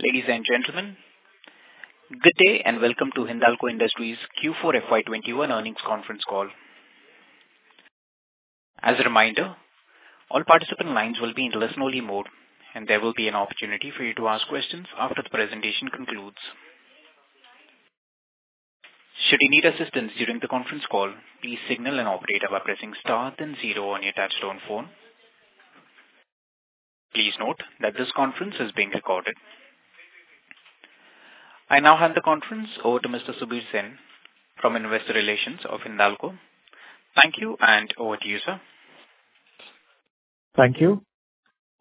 Ladies and gentlemen, good day. Welcome to Hindalco Industries Q4 FY 2021 earnings conference call. As a reminder, all participant lines will be in listen-only mode, and there will be an opportunity for you to ask questions after the presentation concludes. Should you need assistance during the conference call, please signal an operator by pressing star then zero on your touchtone phone. Please note that this conference is being recorded. I now hand the conference over to Mr. Subir Sen from Investor Relations of Hindalco. Thank you, and over to you, sir. Thank you.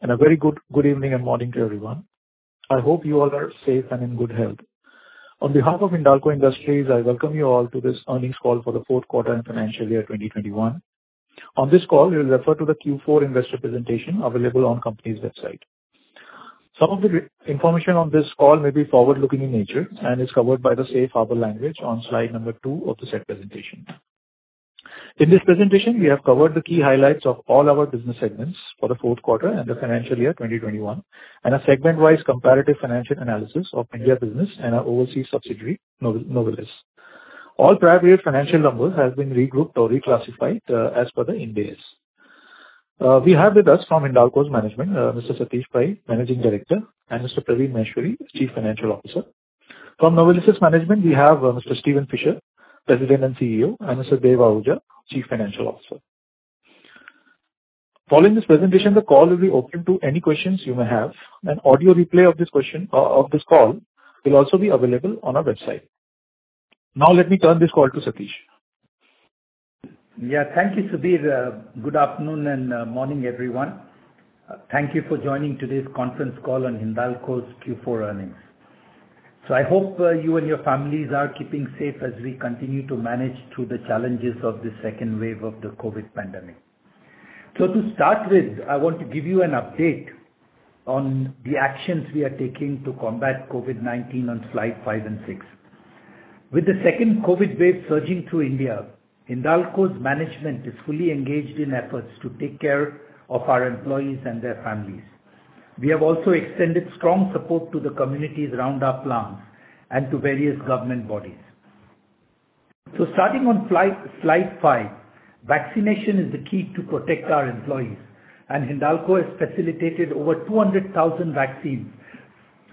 A very good evening and morning to everyone. I hope you all are safe and in good health. On behalf of Hindalco Industries, I welcome you all to this earnings call for the fourth quarter and financial year 2021. On this call, we refer to the Q4 investor presentation available on company's website. Some of the information on this call may be forward-looking in nature and is covered by the safe harbor language on slide number two of the said presentation. In this presentation, we have covered the key highlights of all our business segments for the fourth quarter and the financial year 2021, and a segment-wise comparative financial analysis of India business and our overseas subsidiary, Novelis. All prior year financial numbers have been regrouped or reclassified as per the Ind AS. We have with us from Hindalco's management, Mr. Satish Pai, Managing Director, and Mr. Praveen Maheshwari, Chief Financial Officer. From Novelis's management, we have Mr. Stephen Fisher, President and CEO, and Mr. Devinder Ahuja, Chief Financial Officer. Following this presentation, the call will be open to any questions you may have, an audio replay of this call will also be available on our website. Let me turn this call to Satish. Yeah. Thank you, Subir. Good afternoon and morning, everyone. Thank you for joining today's conference call on Hindalco's Q4 earnings. I hope you and your families are keeping safe as we continue to manage through the challenges of the second wave of the COVID pandemic. To start with, I want to give you an update on the actions we are taking to combat COVID-19 on Slide 5 and 6. With the second COVID wave surging through India, Hindalco's management is fully engaged in efforts to take care of our employees and their families. We have also extended strong support to the communities around our plants and to various government bodies. Starting on Slide 5, vaccination is the key to protect our employees, and Hindalco has facilitated over 200,000 vaccines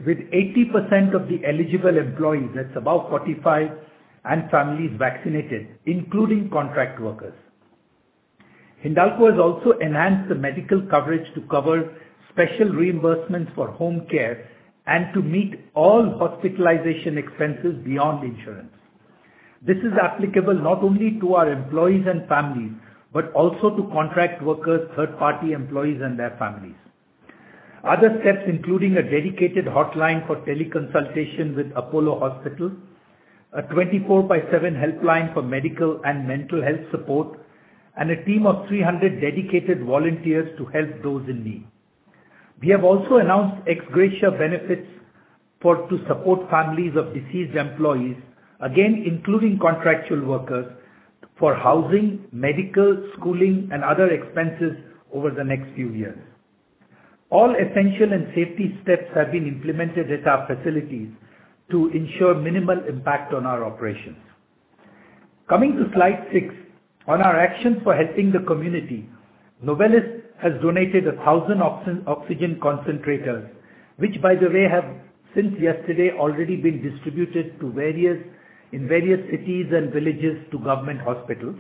with 80% of the eligible employees that's above 45 and families vaccinated, including contract workers. Hindalco has also enhanced the medical coverage to cover special reimbursements for home care and to meet all hospitalization expenses beyond insurance. This is applicable not only to our employees and families, but also to contract workers, third-party employees, and their families. Other steps including a dedicated hotline for teleconsultations with Apollo Hospital, a 24/7 helpline for medical and mental health support, and a team of 300 dedicated volunteers to help those in need. We have also announced ex gratia benefits to support families of deceased employees, again, including contractual workers for housing, medical, schooling, and other expenses over the next few years. All essential and safety steps have been implemented at our facilities to ensure minimal impact on our operations. Coming to Slide 6. On our action for helping the community, Novelis has donated 1,000 oxygen concentrators, which by the way, have since yesterday already been distributed in various cities and villages to government hospitals.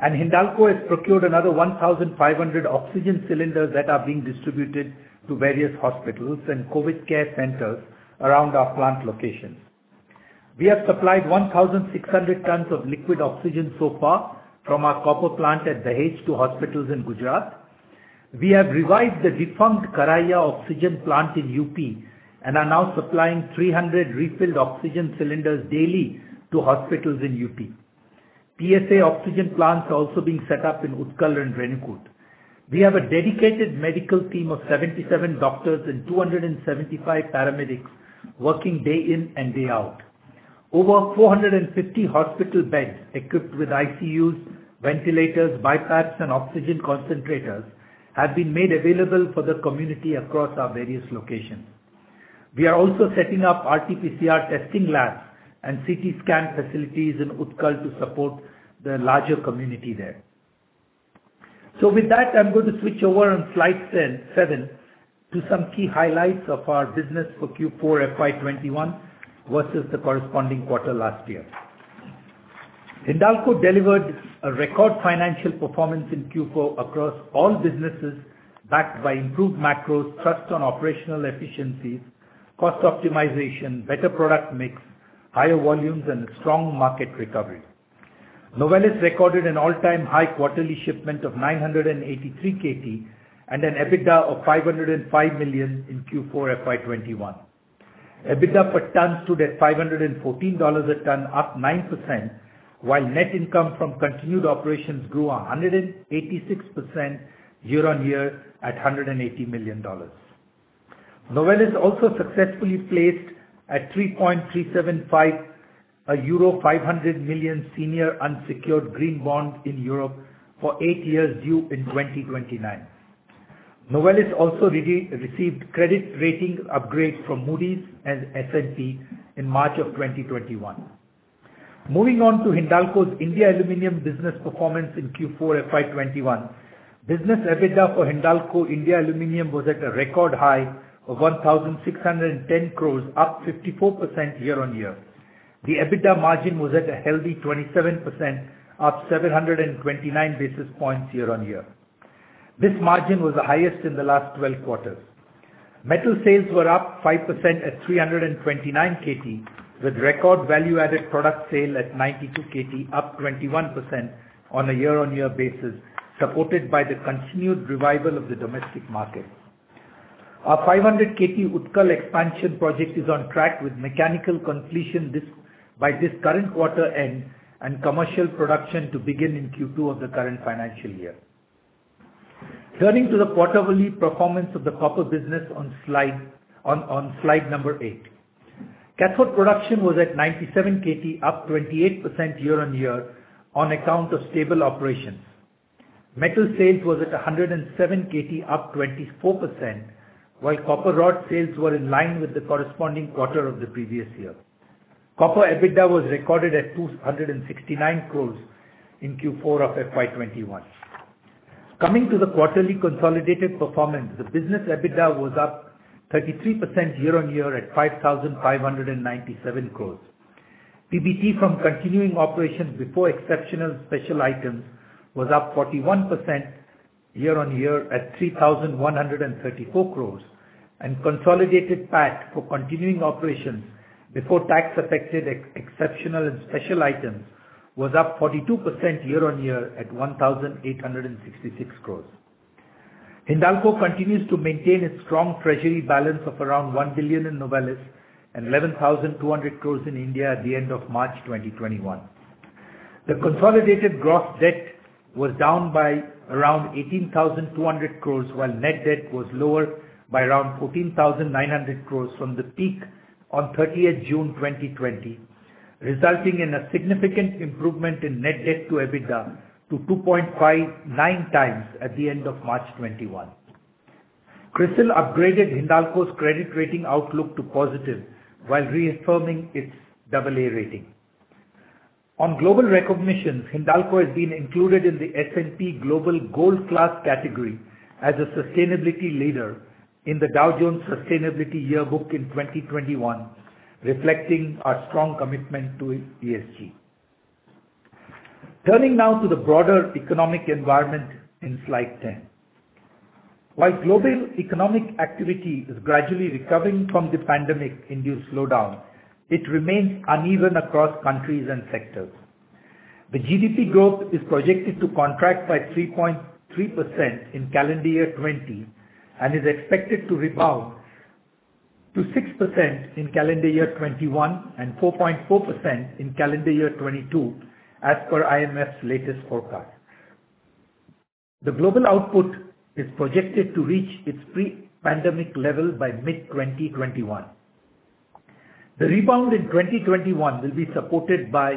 Hindalco has procured another 1,500 oxygen cylinders that are being distributed to various hospitals and COVID care centers around our plant locations. We have supplied 1,600 tons of liquid oxygen so far from our copper plant at Dahej to hospitals in Gujarat. We have revived the defunct Karari oxygen plant in UP and are now supplying 300 refilled oxygen cylinders daily to hospitals in UP. PSA oxygen plants are also being set up in Utkal and Renukoot. We have a dedicated medical team of 77 doctors and 275 paramedics working day in and day out. Over 450 hospital beds equipped with ICUs, ventilators, BiPAPs, and oxygen concentrators have been made available for the community across our various locations. We are also setting up RTPCR testing labs and CT scan facilities in Utkal to support the larger community there. With that, I'm going to switch over on Slide 7 to some key highlights of our business for Q4 FY 2021 versus the corresponding quarter last year. Hindalco delivered a record financial performance in Q4 across all businesses, backed by improved macros, thrust on operational efficiency, cost optimization, better product mix, higher volumes, and strong market recovery. Novelis recorded an all-time high quarterly shipment of 983 Kt and an EBITDA of $505 million in Q4 FY 2021. EBITDA per ton stood at $514 a ton, up 9%, while net income from continued operations grew 186% year-on-year at $180 million. Novelis also successfully placed a 3.375% euro 500 million senior unsecured green bonds in Europe for eight years due in 2029. Novelis also received credit rating upgrade from Moody's and S&P in March 2021. Moving on to Hindalco's India Aluminium business performance in Q4 FY 2021. Business EBITDA for Hindalco India Aluminium was at a record high of 1,610 crores, up 54% year-over-year. The EBITDA margin was at a healthy 27%, up 729 basis points year-over-year. This margin was the highest in the last 12 quarters. Metal sales were up 5% at 329 Kt, with record value-added product sale at 92 Kt, up 21% on a year-over-year basis, supported by the continued revival of the domestic market. Our 500 Kt Utkal expansion project is on track with mechanical completion by this current quarter end and commercial production to begin in Q2 of the current financial year. Turning to the quarterly performance of the copper business on slide number eight. Cathode production was at 97 Kt, up 28% year-on-year on account of stable operations. Metal sales was at 107 Kt, up 24%, while copper rod sales were in line with the corresponding quarter of the previous year. Copper EBITDA was recorded at 269 crore in Q4 of FY 2021. Coming to the quarterly consolidated performance, the business EBITDA was up 33% year-on-year at 5,597 crore. PBT from continuing operations before exceptional special items was up 41% year-on-year at 3,134 crore. Consolidated PAT for continuing operations before tax-affected exceptional and special items was up 42% year-on-year at 1,866 crore. Hindalco continues to maintain its strong treasury balance of around $1 billion in Novelis and 11,200 crore in India at the end of March 2021. The consolidated gross debt was down by around 18,200 crore, while net debt was lower by around 14,900 crore from the peak on 30th June 2020, resulting in a significant improvement in net debt to EBITDA to 2.59x at the end of March 2021. CRISIL upgraded Hindalco's credit rating outlook to positive while reaffirming its AA rating. On global recognition, Hindalco has been included in the S&P Global Gold Class category as a sustainability leader in the S&P Global Sustainability Yearbook in 2021, reflecting our strong commitment to ESG. Turning now to the broader economic environment in Slide 10. While global economic activity is gradually recovering from the pandemic-induced slowdown, it remains uneven across countries and sectors. The GDP growth is projected to contract by 3.3% in calendar year 2020 and is expected to rebound to 6% in calendar year 2021 and 4.4% in calendar year 2022, as per IMF's latest forecast. The global output is projected to reach its pre-pandemic level by mid-2021. The rebound in 2021 will be supported by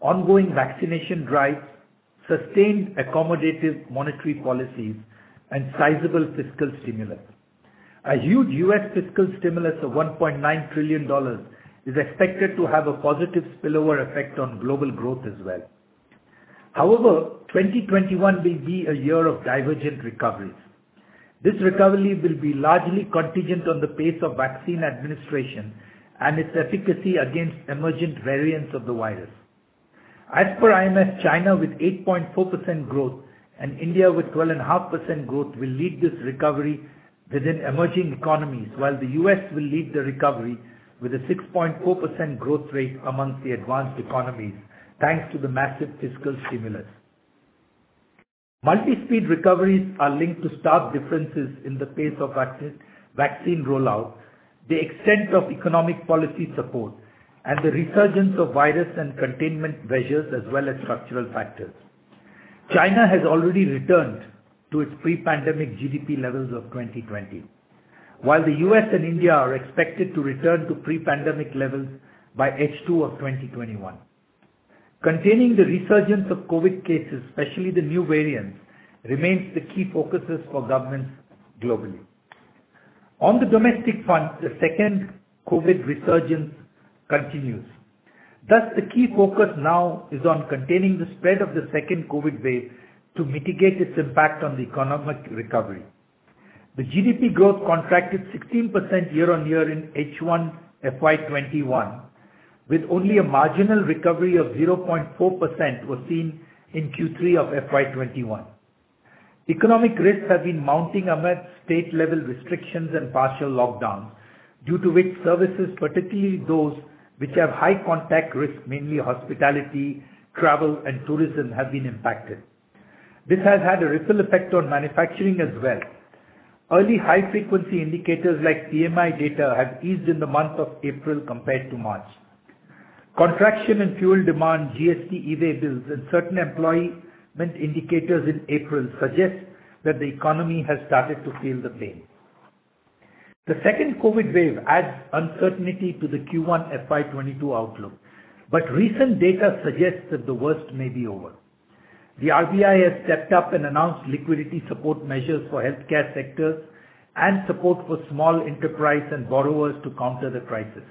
ongoing vaccination drives, sustained accommodative monetary policies, and sizable fiscal stimulus. A huge U.S. fiscal stimulus of $1.9 trillion is expected to have a positive spillover effect on global growth as well. 2021 will be a year of divergent recoveries. This recovery will be largely contingent on the pace of vaccine administration and its efficacy against emergent variants of the virus. As per IMF, China with 8.4% growth and India with 12.5% growth will lead this recovery within emerging economies, while the U.S. will lead the recovery with a 6.4% growth rate amongst the advanced economies, thanks to the massive fiscal stimulus. Multi-speed recoveries are linked to stark differences in the pace of vaccine rollout, the extent of economic policy support, and the resurgence of virus and containment measures, as well as structural factors. China has already returned to its pre-pandemic GDP levels of 2020, while the U.S. and India are expected to return to pre-pandemic levels by H2 of 2021. Containing the resurgence of COVID cases, especially the new variants, remains the key focuses for governments globally. On the domestic front, the second COVID resurgence continues. The key focus now is on containing the spread of the second COVID wave to mitigate its impact on the economic recovery. The GDP growth contracted 16% year-on-year in H1 FY 2021, with only a marginal recovery of 0.4% was seen in Q3 of FY 2021. Economic risks have been mounting amidst state-level restrictions and partial lockdowns, due to which services, particularly those which have high contact risk, mainly hospitality, travel, and tourism, have been impacted. This has had a ripple effect on manufacturing as well. Early high-frequency indicators like PMI data have eased in the month of April compared to March. Construction and fuel demand, GST e-way bills, and certain employment indicators in April suggest that the economy has started to feel the pain. The second COVID wave adds uncertainty to the Q1 FY 2022 outlook, but recent data suggests that the worst may be over. The RBI has stepped up and announced liquidity support measures for healthcare sectors and support for small enterprise and borrowers to counter the crisis.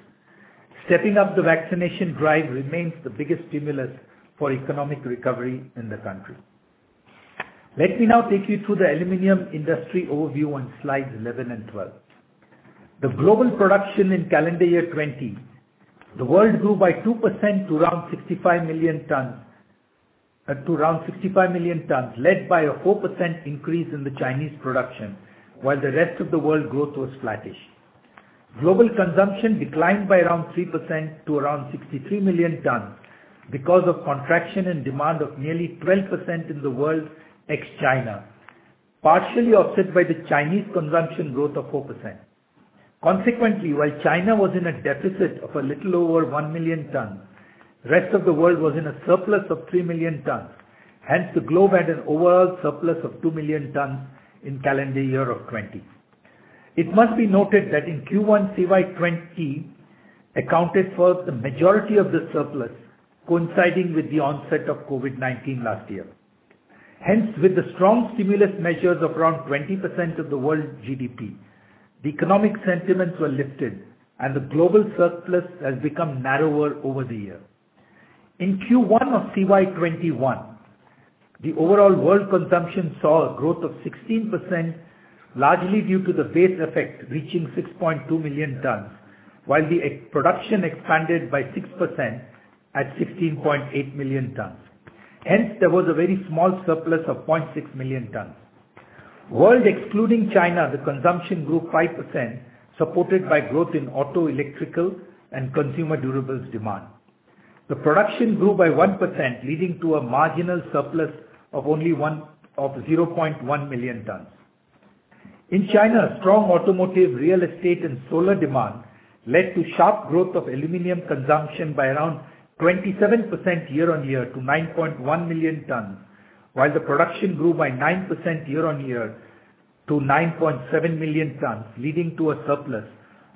Stepping up the vaccination drive remains the biggest stimulus for economic recovery in the country. Let me now take you through the aluminum industry overview on Slide 11 and 12. The global production in calendar year 2020, the world grew by 2% to around 65 million tons, led by a 4% increase in the Chinese production, while the rest of the world growth was flattish. Global consumption declined by around 3% to around 63 million tons because of contraction in demand of nearly 12% in the world ex-China, partially offset by the Chinese consumption growth of 4%. Consequently, while China was in a deficit of a little over 1 million tons, rest of the world was in a surplus of 3 million tons. Hence, the globe had an overall surplus of 2 million tons in calendar year of 2020. It must be noted that in Q1 CY 2020, accounted for the majority of the surplus coinciding with the onset of COVID-19 last year. With the strong stimulus measures of around 20% of the world's GDP, the economic sentiments were lifted and the global surplus has become narrower over the year. In Q1 of CY 2021, the overall world consumption saw a growth of 16%, largely due to the base effect reaching 6.2 million tons, while the production expanded by 6% at 16.8 million tons. There was a very small surplus of 0.6 million tons. World, excluding China, the consumption grew 5%, supported by growth in auto electrical and consumer durables demand. The production grew by 1%, leading to a marginal surplus of only 0.1 million tons. In China, strong automotive, real estate and solar demand led to sharp growth of aluminum consumption by around 27% year-on-year to 9.1 million tons, while the production grew by 9% year-on-year to 9.7 million tons, leading to a surplus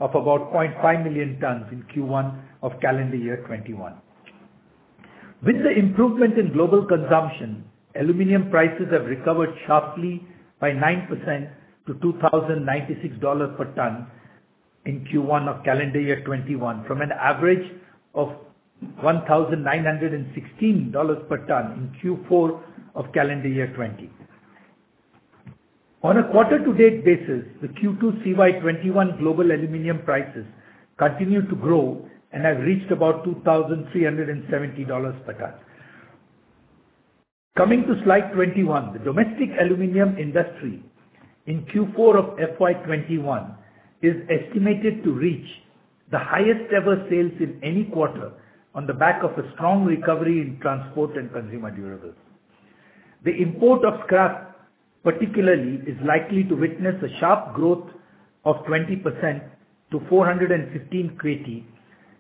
of about 0.5 million tons in Q1 of calendar year 2021. With the improvement in global consumption, aluminum prices have recovered sharply by 9% to $2,096 per ton in Q1 of calendar year 2021 from an average of $1,916 per ton in Q4 of calendar year 2020. On a quarter to date basis, the Q2 CY 2021 global aluminum prices continue to grow and have reached about $2,370 per ton. Coming to Slide 21, the domestic aluminum industry in Q4 of FY 2021 is estimated to reach the highest ever sales in any quarter on the back of a strong recovery in transport and consumer durables. The import of scrap, particularly, is likely to witness a sharp growth of 20% to 415 Kt,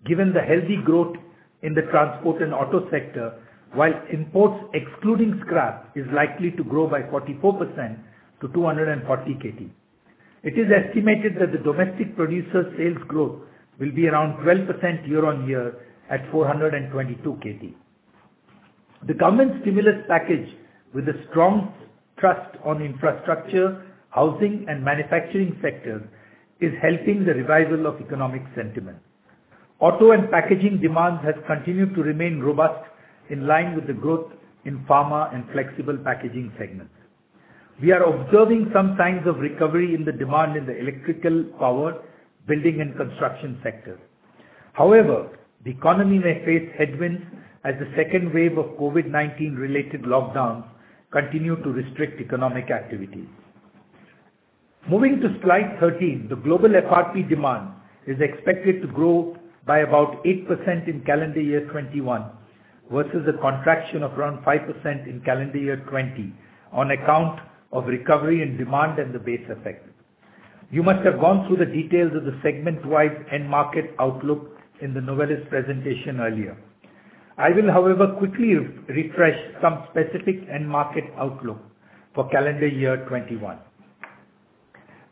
given the healthy growth in the transport and auto sector, while imports excluding scrap is likely to grow by 44% to 240 Kt. It is estimated that the domestic producer sales growth will be around 12% year-on-year at 422 Kt. The government stimulus package with a strong thrust on infrastructure, housing, and manufacturing sectors is helping the revival of economic sentiment. Auto and packaging demands have continued to remain robust in line with the growth in pharma and flexible packaging segments. We are observing some signs of recovery in the demand in the electrical power, building and construction sector. However, the economy may face headwinds as the second wave of COVID-19 related lockdowns continue to restrict economic activities. Moving to Slide 13, the global FRP demand is expected to grow by about 8% in calendar year 2021 versus a contraction of around 5% in calendar year 2020 on account of recovery in demand and the base effect. You must have gone through the details of the segment-wide end market outlook in the Novelis presentation earlier. I will, however, quickly refresh some specific end market outlook for calendar year 2021.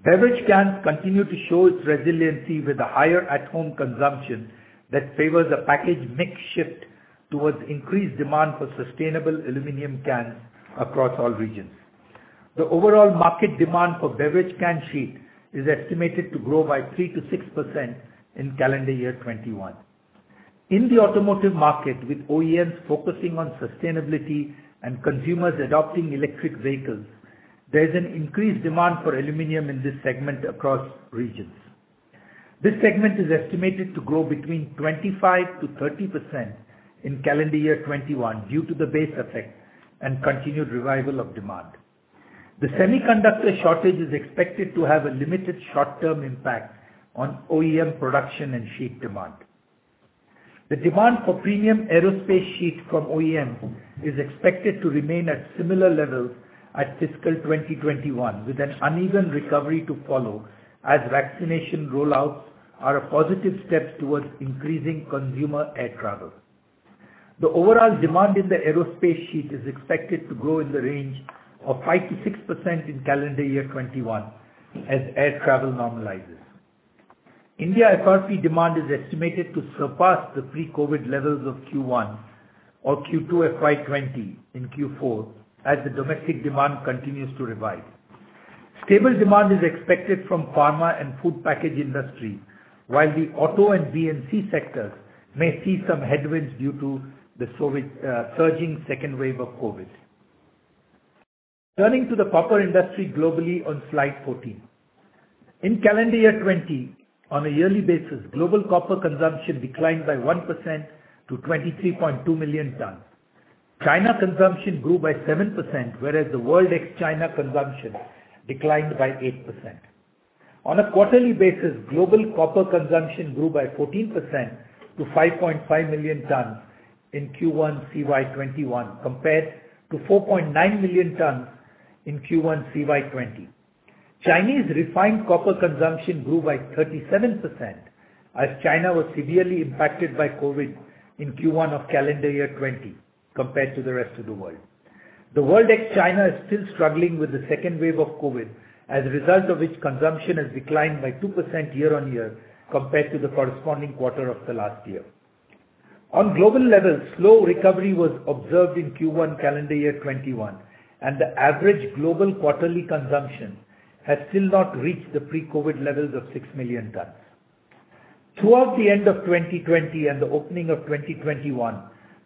Beverage cans continue to show its resiliency with a higher at-home consumption that favors a package mix shift towards increased demand for sustainable aluminum cans across all regions. The overall market demand for beverage can sheet is estimated to grow by 3%-6% in calendar year 2021. In the automotive market, with OEMs focusing on sustainability and consumers adopting electric vehicles, there is an increased demand for aluminum in this segment across regions. This segment is estimated to grow between 25%-30% in calendar year 2021 due to the base effect and continued revival of demand. The semiconductor shortage is expected to have a limited short-term impact on OEM production and sheet demand. The demand for premium aerospace sheets from OEM is expected to remain at similar levels at FY 2021 with an uneven recovery to follow as vaccination rollouts are a positive step towards increasing consumer air travel. The overall demand in the aerospace sheet is expected to grow in the range of 5%-6% in calendar year 2021 as air travel normalizes. India capacity demand is estimated to surpass the pre-COVID levels of Q1 or Q2 FY 2020 in Q4 as the domestic demand continues to revive. Stable demand is expected from pharma and food package industry, while the auto and B&C sectors may see some headwinds due to the surging second wave of COVID. Turning to the copper industry globally on Slide 14. In calendar year 2020, on a yearly basis, global copper consumption declined by 1% to 23.2 million tonnes. China consumption grew by 7%, whereas the world ex-China consumption declined by 8%. On a quarterly basis, global copper consumption grew by 14% to 5.5 million tonnes in Q1 CY 2021 compared to 4.9 million tonnes in Q1 CY 2020. Chinese refined copper consumption grew by 37% as China was severely impacted by COVID in Q1 of calendar year 2020 compared to the rest of the world. The world ex-China is still struggling with the second wave of COVID, as a result of which consumption has declined by 2% year-on-year compared to the corresponding quarter of the last year. On global levels, slow recovery was observed in Q1 calendar year 2021, and the average global quarterly consumption has still not reached the pre-COVID levels of 6 million tons. Throughout the end of 2020 and the opening of 2021,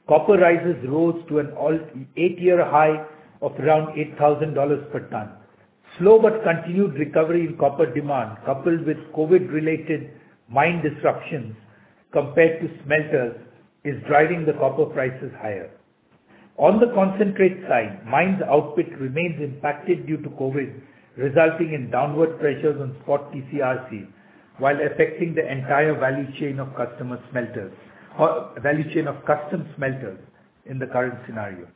copper prices rose to an eight-year high of around $8,000 per ton. Slow but continued recovery in copper demand, coupled with COVID-related mine disruptions compared to smelters, is driving the copper prices higher. On the concentrate side, mines output remains impacted due to COVID, resulting in downward pressures on spot TC/RC while affecting the entire value chain of custom smelters in the current scenario.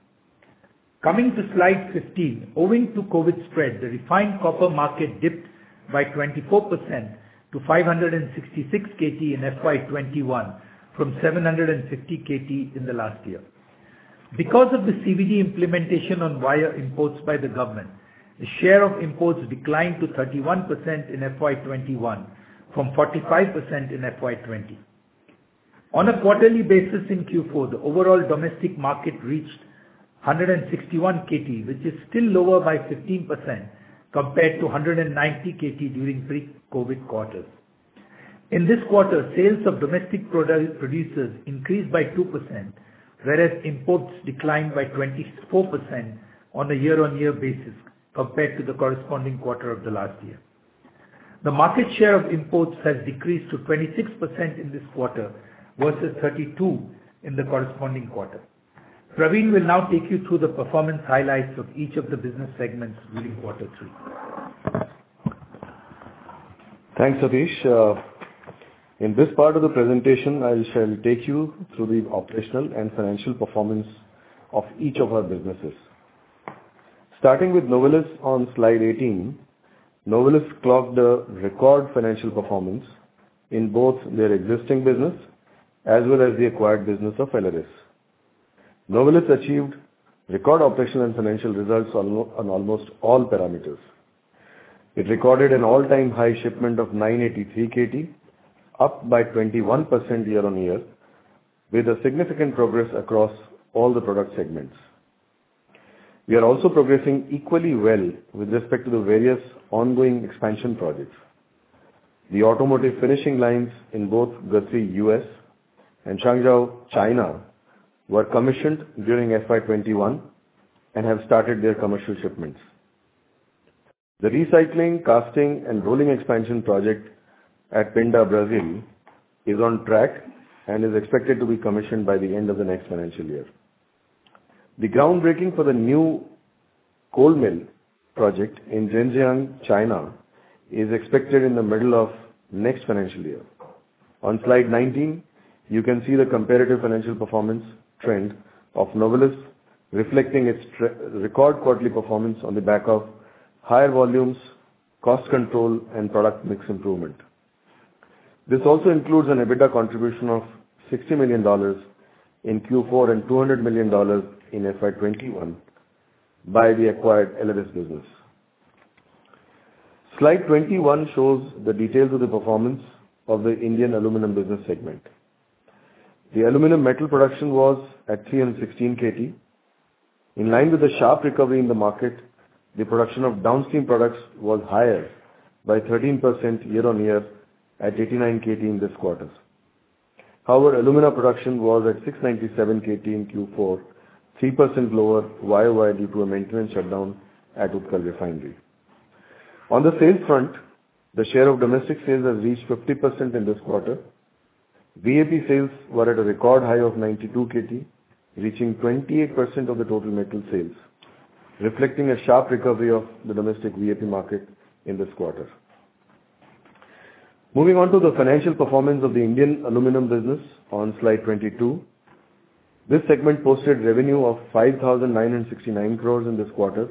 Coming to Slide 15. Owing to COVID spread, the refined copper market dipped by 24% to 566 Kt in FY 2021 from 750 Kt in the last year. Because of the CVD implementation on wire imports by the government, the share of imports declined to 31% in FY 2021 from 45% in FY 2020. On a quarterly basis in Q4, the overall domestic market reached 161 Kt, which is still lower by 15% compared to 190 Kt during pre-COVID quarters. In this quarter, sales of domestic producers increased by 2%, whereas imports declined by 24% on a year-on-year basis compared to the corresponding quarter of the last year. The market share of imports has decreased to 26% in this quarter versus 32% in the corresponding quarter. Praveen will now take you through the performance highlights of each of the business segments during Q3. Thanks, Satish. In this part of the presentation, I shall take you through the operational and financial performance of each of our businesses. Starting with Novelis on Slide 18, Novelis clocked a record financial performance in both their existing business as well as the acquired business of Aleris. Novelis achieved record operational and financial results on almost all parameters. It recorded an all-time high shipment of 983 Kt, up by 21% year-on-year, with a significant progress across all the product segments. We are also progressing equally well with respect to the various ongoing expansion projects. The automotive finishing lines in both Guthrie, U.S., and Changzhou, China, were commissioned during FY 2021 and have started their commercial shipments. The recycling, casting, and rolling expansion project at Pindamonhangaba, Brazil, is on track and is expected to be commissioned by the end of the next financial year. The groundbreaking for the new cold mill project in Zhenjiang, China, is expected in the middle of next financial year. On Slide 19, you can see the comparative financial performance trend of Novelis reflecting its record quarterly performance on the back of higher volumes, cost control, and product mix improvement. This also includes an EBITDA contribution of $60 million in Q4 and $200 million in FY 2021 by the acquired Aleris business. Slide 21 shows the details of the performance of the Indian aluminium business segment. The aluminium metal production was at 316 Kt. In line with the sharp recovery in the market, the production of downstream products was higher by 13% year-on-year at 89 Kt in this quarter. However, alumina production was at 697 Kt in Q4, 3% lower year-on-year due to a maintenance shutdown at Utkal refinery. On the sales front, the share of domestic sales has reached 50% in this quarter. VAP sales were at a record high of 92 Kt, reaching 28% of the total metal sales, reflecting a sharp recovery of the domestic VAP market in this quarter. Moving on to the financial performance of the Indian aluminum business on Slide 22. This segment posted revenue of 5,969 crores in this quarter,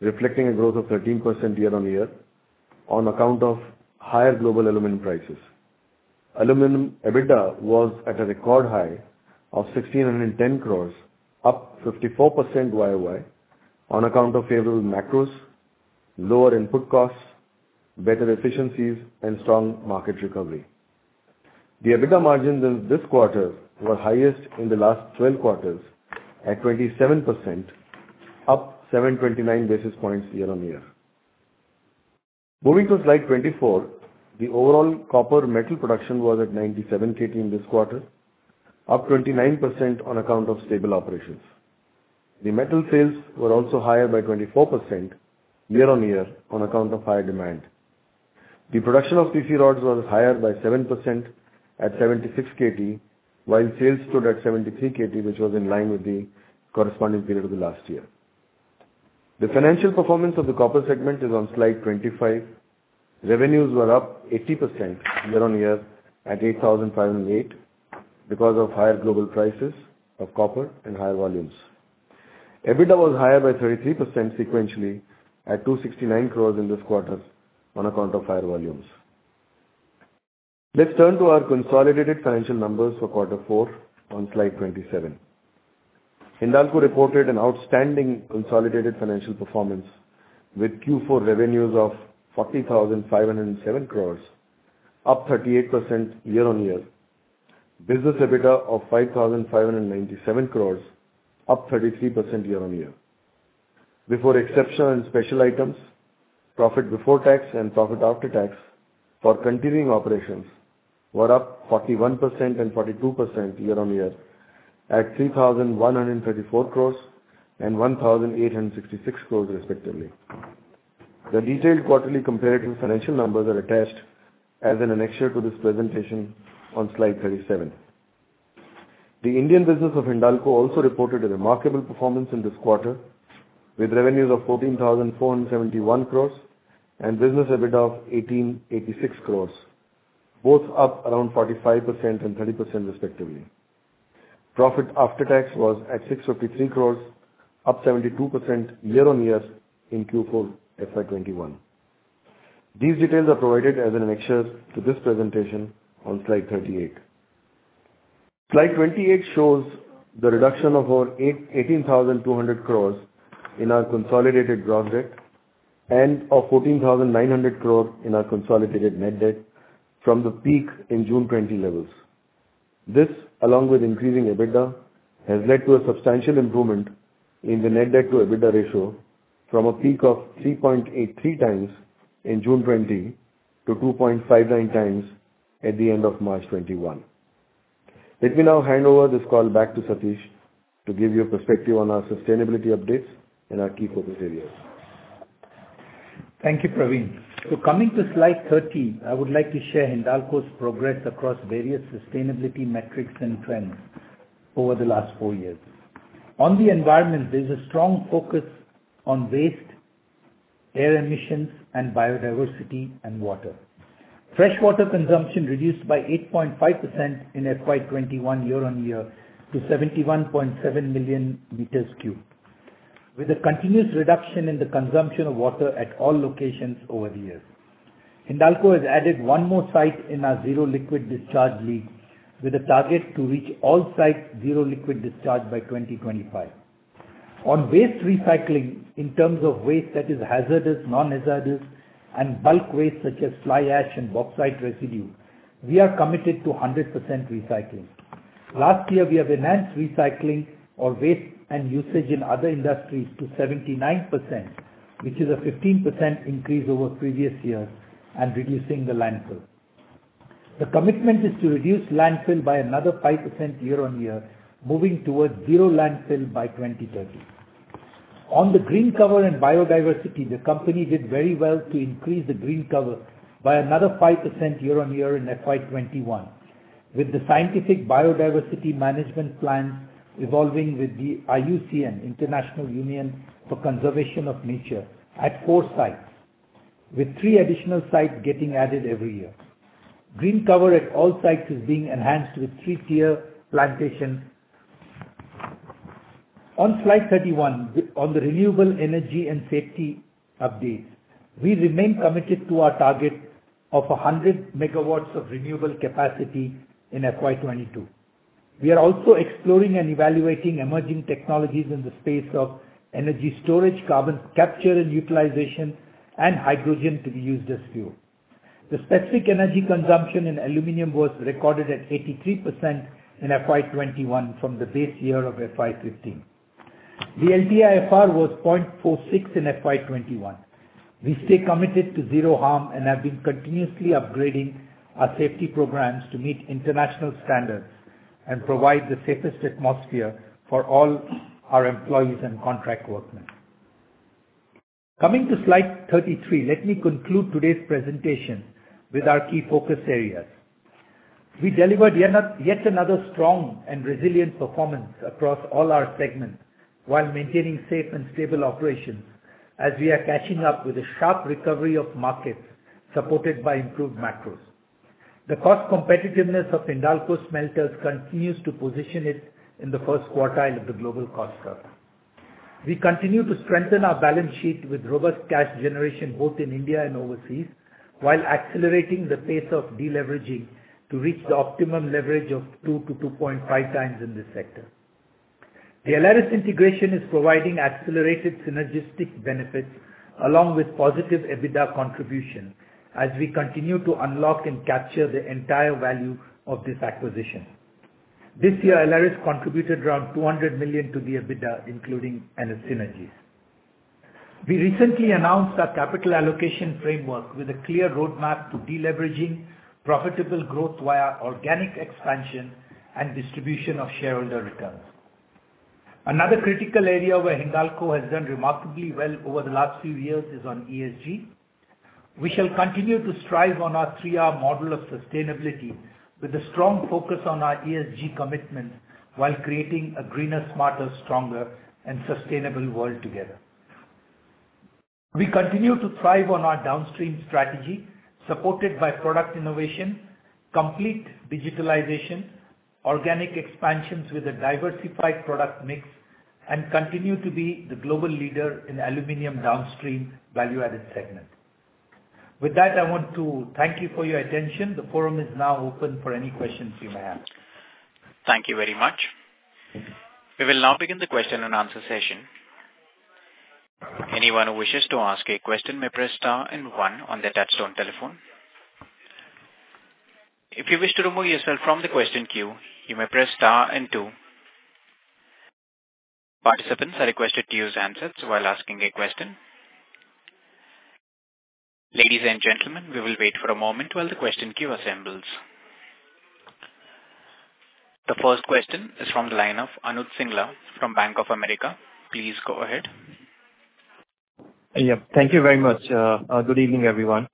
reflecting a growth of 13% year-on-year on account of higher global aluminum prices. Aluminum EBITDA was at a record high of 1,610 crores, up 54% year-over-year, on account of favorable macros, lower input costs, better efficiencies, and strong market recovery. The EBITDA margins in this quarter were highest in the last 12 quarters at 27%, up 729 basis points year-on-year. Moving to Slide 24. The overall copper metal production was at 97 Kt in this quarter, up 29% on account of stable operations. The metal sales were also higher by 24% year-on-year on account of higher demand. The production of CC rods was higher by 7% at 76 Kt, while sales stood at 73 Kt, which was in line with the corresponding period of the last year. The financial performance of the copper segment is on Slide 25. Revenues were up 80% year-on-year at 8,508 because of higher global prices of copper and high volumes. EBITDA was higher by 33% sequentially at 269 crores in this quarter on account of higher volumes. Let's turn to our consolidated financial numbers for quarter four on Slide 27. Hindalco reported an outstanding consolidated financial performance with Q4 revenues of 40,507 crores, up 38% year-on-year. Business EBITDA of 5,597 crores, up 33% year-on-year. Before exceptional and special items, Profit before tax and Profit after tax for continuing operations were up 41% and 42% year-on-year at 3,134 crores and 1,866 crores respectively. The detailed quarterly comparative financial numbers are attached as an annexure to this presentation on Slide 37. The Indian business of Hindalco also reported a remarkable performance in this quarter, with revenues of 14,471 crores and Business EBITDA of 1,886 crores, both up around 45% and 30% respectively. Profit after tax was at 653 crores, up 72% year-on-year in Q4 FY 2021. These details are provided as an annexure to this presentation on Slide 38. Slide 28 shows the reduction of over 18,200 crores in our consolidated gross debt and of 14,900 crores in our consolidated net debt from the peak in June 2020 levels. This, along with increasing EBITDA, has led to a substantial improvement in the net debt to EBITDA ratio from a peak of 3.83x in June 2020 to 2.59x at the end of March 2021. Let me now hand over this call back to Satish to give you a perspective on our sustainability updates and our key focus areas. Thank you, Praveen. Coming to Slide 30, I would like to share Hindalco's progress across various sustainability metrics and trends over the last four years. On the environment, there is a strong focus on waste, air emissions, and biodiversity and water. Fresh water consumption reduced by 8.5% in FY 2021 year-on-year to 71.7 million meters cubed, with a continuous reduction in the consumption of water at all locations over the years. Hindalco has added one more site in our zero liquid discharge league with a target to reach all sites zero liquid discharge by 2025. On waste recycling, in terms of waste that is hazardous, non-hazardous, and bulk waste such as fly ash and bauxite residue, we are committed to 100% recycling. Last year, we have enhanced recycling of waste and usage in other industries to 79%, which is a 15% increase over previous years and reducing the landfill. The commitment is to reduce landfill by another 5% year-on-year, moving towards zero landfill by 2030. On the green cover and biodiversity, the company did very well to increase the green cover by another 5% year-on-year in FY 2021 with the scientific biodiversity management plan evolving with the IUCN, International Union for Conservation of Nature, at four sites, with three additional sites getting added every year. Green cover at all sites is being enhanced with tree tier plantation. On Slide 31. On the renewable energy and safety updates, we remain committed to our target of 100 MW of renewable capacity in FY 2022. We are also exploring and evaluating emerging technologies in the space of energy storage, carbon capture and utilization, and hydrogen to be used as fuel. The specific energy consumption in aluminum was recorded at 83% in FY 2021 from the base year of FY 2015. The LTIFR was 0.46 in FY 2021. We stay committed to zero harm and have been continuously upgrading our safety programs to meet international standards and provide the safest atmosphere for all our employees and contract workmen. Coming to Slide 33. Let me conclude today's presentation with our key focus areas. We delivered yet another strong and resilient performance across all our segments while maintaining safe and stable operations as we are catching up with a sharp recovery of markets supported by improved macros. The cost competitiveness of Hindalco smelters continues to position it in the first quartile of the global cost curve. We continue to strengthen our balance sheet with robust cash generation both in India and overseas, while accelerating the pace of deleveraging to reach the optimum leverage of 2x-2.5x in this sector. The Aleris integration is providing accelerated synergistic benefits along with positive EBITDA contribution as we continue to unlock and capture the entire value of this acquisition. This year, Aleris contributed around $200 million to the EBITDA, including synergies. We recently announced our capital allocation framework with a clear roadmap to deleveraging profitable growth via organic expansion and distribution of shareholder returns. Another critical area where Hindalco has done remarkably well over the last few years is on ESG. We shall continue to strive on our Three R Model of Sustainability with a strong focus on our ESG commitment while creating a greener, smarter, stronger, and sustainable world together. We continue to thrive on our downstream strategy, supported by product innovation, complete digitalization, organic expansions with a diversified product mix, and continue to be the global leader in aluminum downstream value-added segment. With that, I want to thank you for your attention. The forum is now open for any questions you may have. Thank you very much. We will now begin the question and answer session. Anyone who wishes to ask a question may press star and one on the touch-tone telephone. If you wish to remove yourself from the question queue, you may press star and two. Participants are required to use handsets while asking a question. Ladies and gentlemen, we will wait for a moment while the question queue assembles. The first question is from the line of Anuj Singla from Bank of America. Please go ahead. Thank you very much. Good evening, everyone.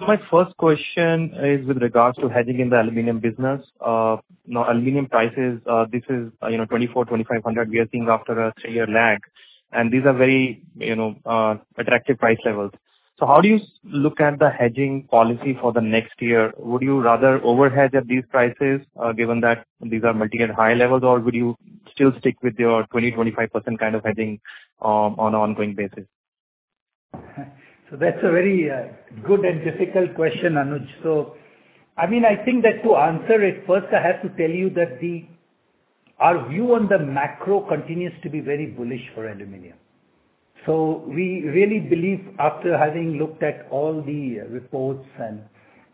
My first question is with regards to hedging in the aluminum business. Aluminum prices, this is $2,400-$2,500 we are seeing after a three-year lag. These are very attractive price levels. How do you look at the hedging policy for the next year? Would you rather overhedge at these prices, given that these are material high levels, or will you still stick with your 20%-25% kind of hedging on an ongoing basis? That's a very good and difficult question, Anuj. I think that to answer it, first I have to tell you that our view on the macro continues to be very bullish for aluminium. We really believe, after having looked at all the reports and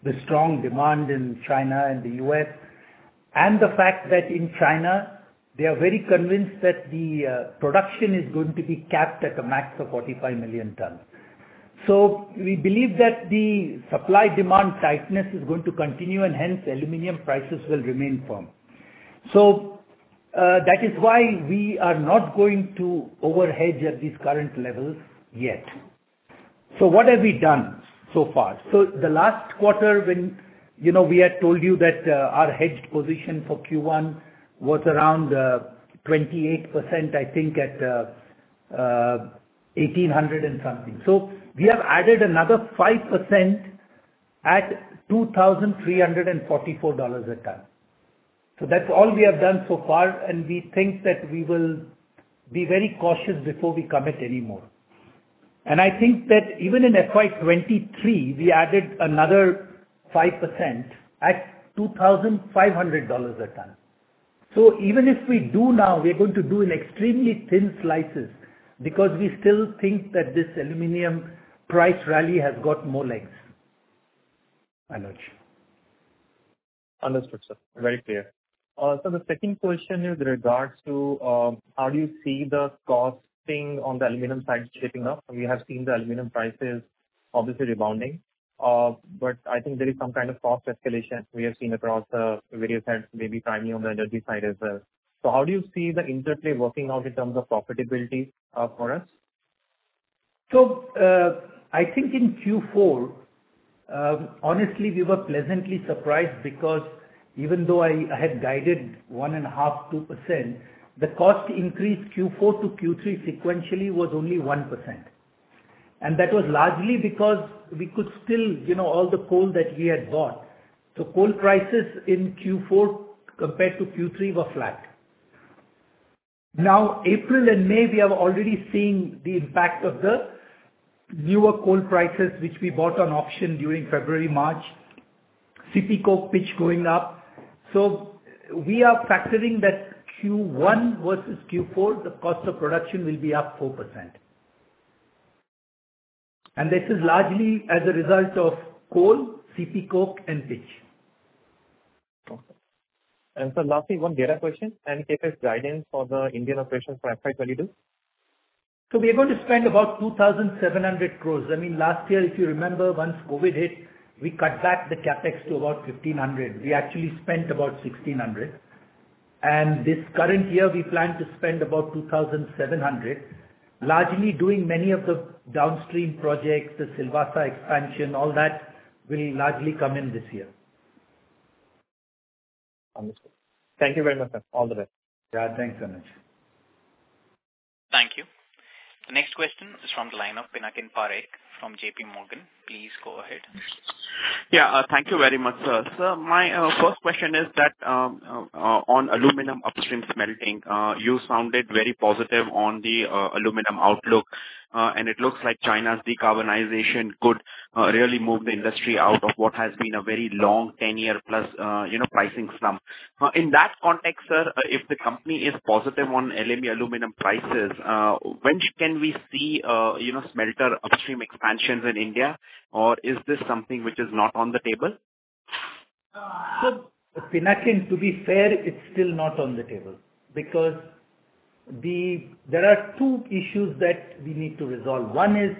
the strong demand in China and the U.S., and the fact that in China, they are very convinced that the production is going to be capped at a max of 45 million tons. We believe that the supply-demand tightness is going to continue, and hence aluminium prices will remain firm. That is why we are not going to overhedge at these current levels yet. What have we done so far? The last quarter, when we had told you that our hedged position for Q1 was around 28%, I think at 1,800 and something. We have added another 5% at $2,344 a ton. That's all we have done so far, and we think that we will be very cautious before we commit any more. I think that even in FY 2023, we added another 5% at $2,500 a ton. Even if we do now, we're going to do in extremely thin slices because we still think that this aluminum price rally has got more legs. Anuj. Understood, sir. Right there. The second question is with regards to how do you see the costing on the aluminium side shaping up? We have seen the aluminium prices obviously rebounding. I think there is some kind of cost escalation we have seen across various ends, maybe tightening on the energy side as well. How do you see the interplay working out in terms of profitability for us? I think in Q4, honestly, we were pleasantly surprised because even though I had guided 1.5%-2%, the cost increase Q4-Q3 sequentially was only 1%. That was largely because all the coal that we had bought. Coal prices in Q4 compared to Q3 were flat. April and May, we are already seeing the impact of the newer coal prices, which we bought on auction during February, March. CPC, pitch going up. We are factoring that Q1 versus Q4, the cost of production will be up 4%. This is largely as a result of coal, CPC, and pitch. Okay. Sir, lastly, one data question and CapEx guidance for the Indian operations for FY 2022? We're going to spend about 2,700 crores. Last year, if you remember, once COVID hit, we cut back the CapEx to about 1,500. We actually spent about 1,600. This current year, we plan to spend about 2,700, largely doing many of the downstream projects, the Silvassa expansion, all that will largely come in this year. Understood. Thank you very much. All the best. Yeah, thanks, Anuj. Thank you. The next question is from the line of Pinakin Parekh from JPMorgan. Please go ahead. Yeah. Thank you very much, sir. Sir, my first question is on aluminum upstream smelting. You sounded very positive on the aluminum outlook, and it looks like China's decarbonization could really move the industry out of what has been a very long, 10-year plus pricing slump. In that context, sir, if the company is positive on LME aluminum prices, when can we see smelter upstream expansions in India? Is this something which is not on the table? Pinakin, to be fair, it's still not on the table, because there are two issues that we need to resolve. One is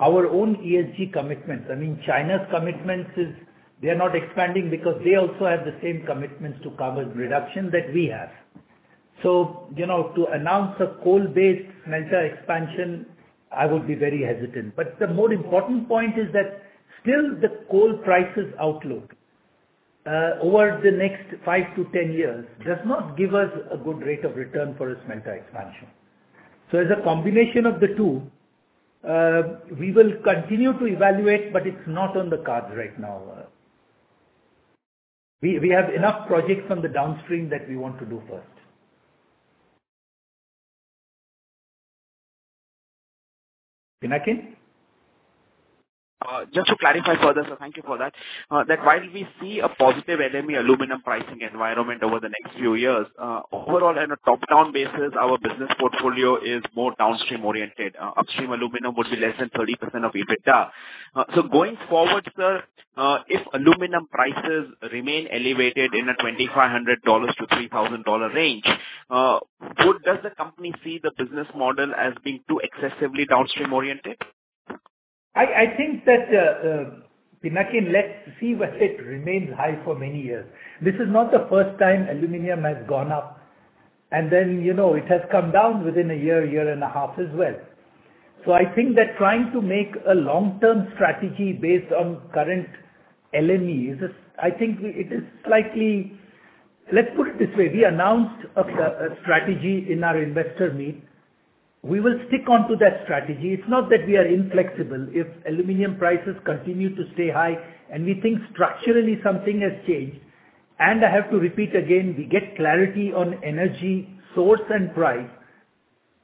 our own ESG commitments. China's commitments is they're not expanding because they also have the same commitments to carbon reduction that we have. To announce a coal-based smelter expansion, I would be very hesitant. The more important point is that still the coal prices outlook over the next 5-10 years does not give us a good rate of return for a smelter expansion. As a combination of the two, we will continue to evaluate, but it's not on the cards right now. We have enough projects on the downstream that we want to do first. Pinakin? Just to clarify further, sir. Thank you for that. That while we see a positive LME aluminum pricing environment over the next few years, overall, at a top-down basis, our business portfolio is more downstream-oriented. Upstream aluminum would be less than 30% of EBITDA. Going forward, sir, if aluminum prices remain elevated in a INR 2,500-INR 3,000 range, does the company see the business model as being too excessively downstream-oriented? I think that, Pinakin, let's see whether it remains high for many years. This is not the first time aluminum has gone up, and then it has come down within a year and a half as well. I think that trying to make a long-term strategy based on current LME, let's put it this way, we announced a strategy in our investor meet. We will stick onto that strategy. It's not that we are inflexible. If aluminum prices continue to stay high and we think structurally something has changed, and I have to repeat again, we get clarity on energy source and price,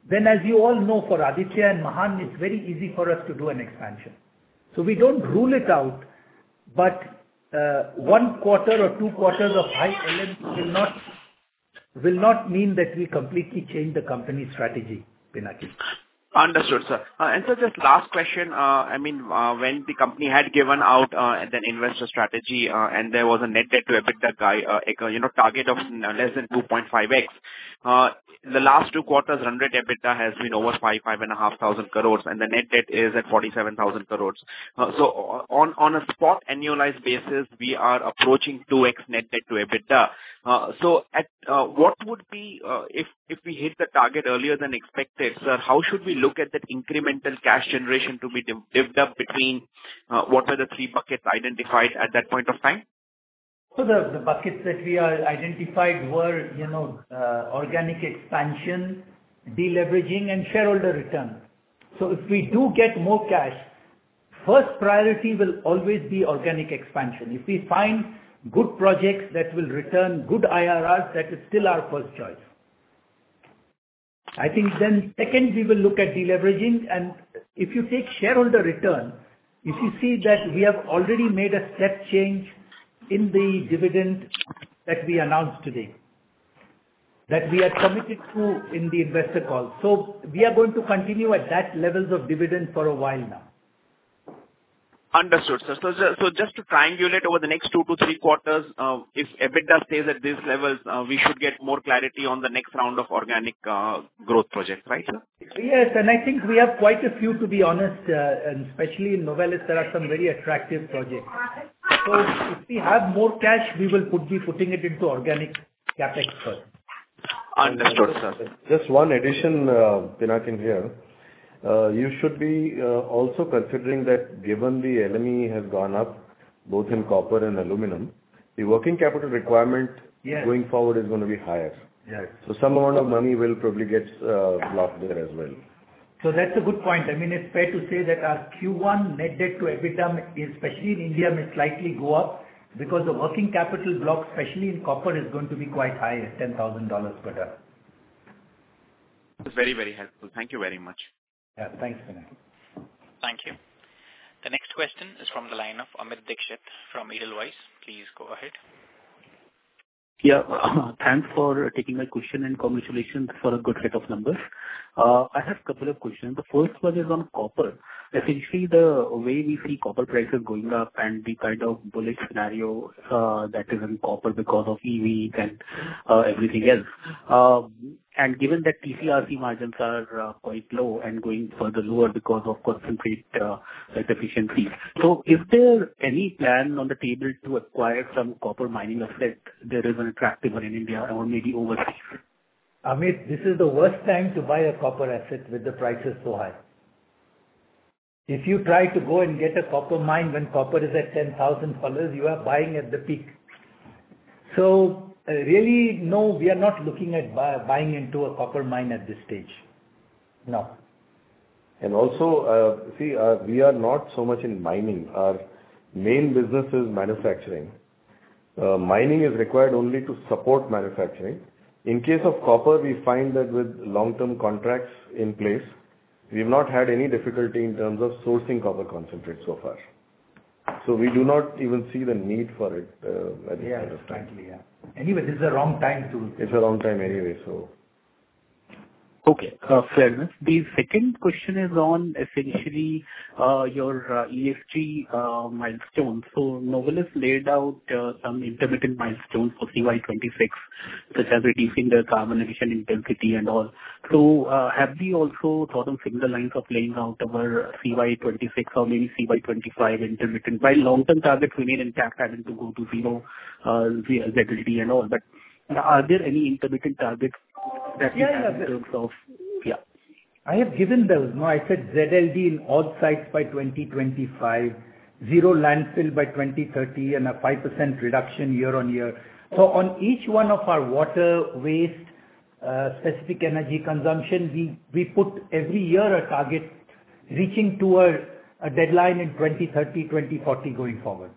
then as you all know, for Aditya and Mahan, it's very easy for us to do an expansion. We don't rule it out, but one quarter or two quarters of high LME will not mean that we completely change the company strategy, Pinakin. Understood, sir. Sir, just last question. When the company had given out that investor strategy, there was a net debt to EBITDA target of less than 2.5x. The last two quarters under EBITDA has been over 5,500 crores and 5,500 crores, and the net debt is at 47,000 crores. So on a spot annualized basis, we are approaching 2x net debt to EBITDA. If we hit the target earlier than expected, sir, how should we look at that incremental cash generation to be divvied up between what are the three buckets identified at that point of time? The buckets that we had identified were organic expansion, deleveraging, and shareholder return. If we do get more cash, first priority will always be organic expansion. If we find good projects that will return good IRRs, that is still our first choice. I think second, we will look at deleveraging, and if you take shareholder return, if you see that we have already made a step change in the dividend that we announced today, that we are committed to in the investor call. We are going to continue at that levels of dividend for a while now. Understood, sir. Just to triangulate over the next two to three quarters, if EBITDA stays at these levels, we should get more clarity on the next round of organic growth project, right, sir? Yes, I think we have quite a few, to be honest, especially in Novelis, there are some very attractive projects. If we have more cash, we will be putting it into organic CapEx, sir. Understood, sir. Just one addition, Pinakin, here. You should be also considering that given the LME has gone up both in copper and aluminum, the working capital requirement going forward is going to be higher. Yes. Some amount of money will probably get blocked there as well. That's a good point. It's fair to say that our Q1 net debt to EBITDA, especially in India, may slightly go up because the working capital block, especially in copper, is going to be quite high at $10,000 per ton. It's very helpful. Thank you very much. Yeah, thanks, Pinakin. Thank you. The next question is from the line of Amit Dixit from Edelweiss. Please go ahead. Yeah. Thanks for taking my question, and congratulations for a good set of numbers. I have couple of questions. The first one is on copper. Essentially, the way we see copper prices going up and the kind of bullish scenario that is in copper because of EV and everything else. Given that TC/RC margins are quite low and going further lower because of concentrate less efficiency. If there's any plan on the table to acquire some copper mining asset that is an attractive one in India or maybe overseas? Amit, this is the worst time to buy a copper asset with the prices so high. If you try to go and get a copper mine when copper is at $10,000, you are buying at the peak. Really, no, we are not looking at buying into a copper mine at this stage. No. Also, we are not so much in mining. Our main business is manufacturing. Mining is required only to support manufacturing. In case of copper, we find that with long-term contracts in place, we've not had any difficulty in terms of sourcing copper concentrate so far. We do not even see the need for it at this point of time. Yeah. Exactly, yeah. It's the wrong time anyway. Okay. Fair enough. The second question is on essentially your ESG milestones. Novelis laid out some intermittent milestones for CY 2026, such as reducing the carbon emission intensity and all. Have we also thought of similar lines of laying out our CY 2026 or maybe CY 2025? While long-term targets remain intact, having to go to zero ZLD and all, are there any intermittent targets that you have in terms of Yeah. Yeah. I have given those. I said ZLD in all sites by 2025, zero landfill by 2030, and a 5% reduction year-on-year. On each one of our water waste, specific energy consumption, we put every year a target reaching toward a deadline in 2030, 2040 going forward.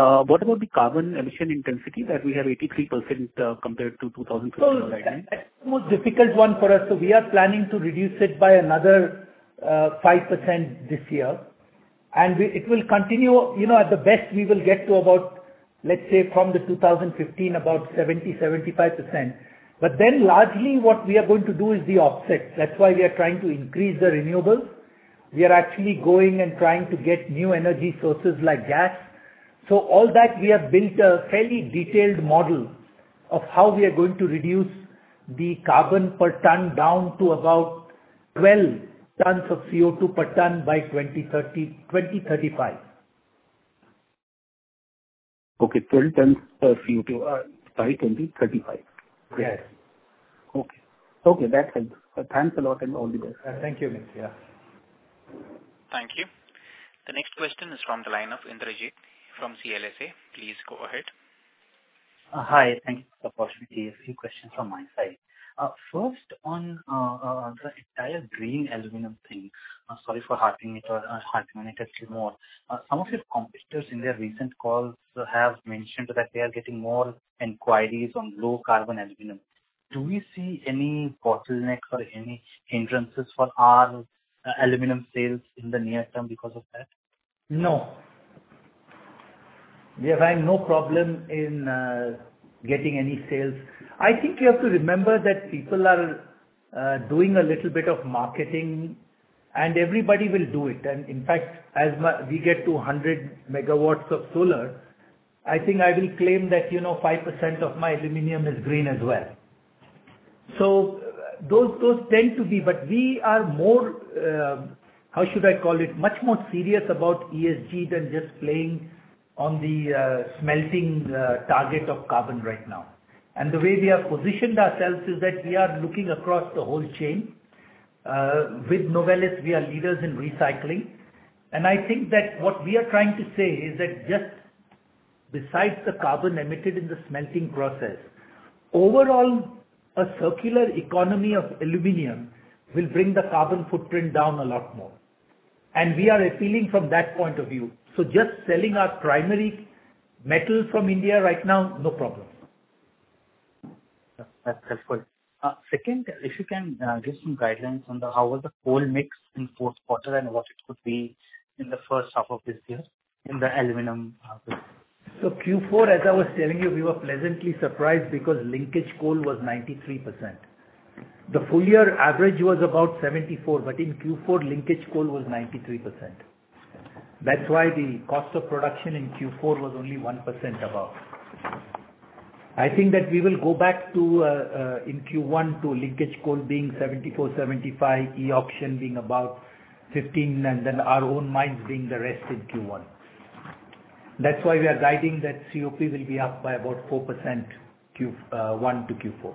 What about the carbon emission intensity that we have 83% compared to 2015 baseline? That's the most difficult one for us. We are planning to reduce it by another 5% this year, and it will continue. At the best, we will get to about, let's say from 2015, about 70%-75%. Largely what we are going to do is the offsets. That's why we are trying to increase the renewables. We are actually going and trying to get new energy sources like gas. All that, we have built a fairly detailed model of how we are going to reduce the carbon per ton down to about 12 tons of CO2 per ton by 2035. Okay. 12 tons per CO2 by 2035. Yes. Okay. That's helpful. Thanks a lot, and all the best. Thank you, Amit. Yeah. Thank you. The next question is from the line of Indrajit from CLSA. Please go ahead. Hi. Thank you for the opportunity. A few questions from my side. First, on the entire green aluminum thing. Sorry for harping it a few more. Some of your competitors in their recent calls have mentioned that they are getting more inquiries on low carbon aluminum. Do we see any bottleneck or any hindrances for our aluminum sales in the near-term because of that? No. We are having no problem in getting any sales. I think you have to remember that people are doing a little bit of marketing, and everybody will do it. In fact, as we get to 100 MW of solar, I think I will claim that 5% of my aluminum is green as well. We are more, how should I call it, much more serious about ESG than just playing on the smelting target of carbon right now. The way we have positioned ourselves is that we are looking across the whole chain. With Novelis, we are leaders in recycling. I think that what we are trying to say is that just besides the carbon emitted in the smelting process, overall, a circular economy of aluminum will bring the carbon footprint down a lot more. We are appealing from that point of view. Just selling our primary metal from India right now, no problem. That's helpful. Second, if you can give some guidelines on how was the coal mix in Q4 and what it could be in the first half of this year in the aluminum business. Q4, as I was telling you, we were pleasantly surprised because linkage coal was 93%. The full year average was about 74%, but in Q4, linkage coal was 93%. The cost of production in Q4 was only 1% above. I think that we will go back in Q1 to linkage coal being 74%, 75%, e-auction being about 15%, and then our own mines being the rest in Q1. We are guiding that COP will be up by about 4% Q1-Q4.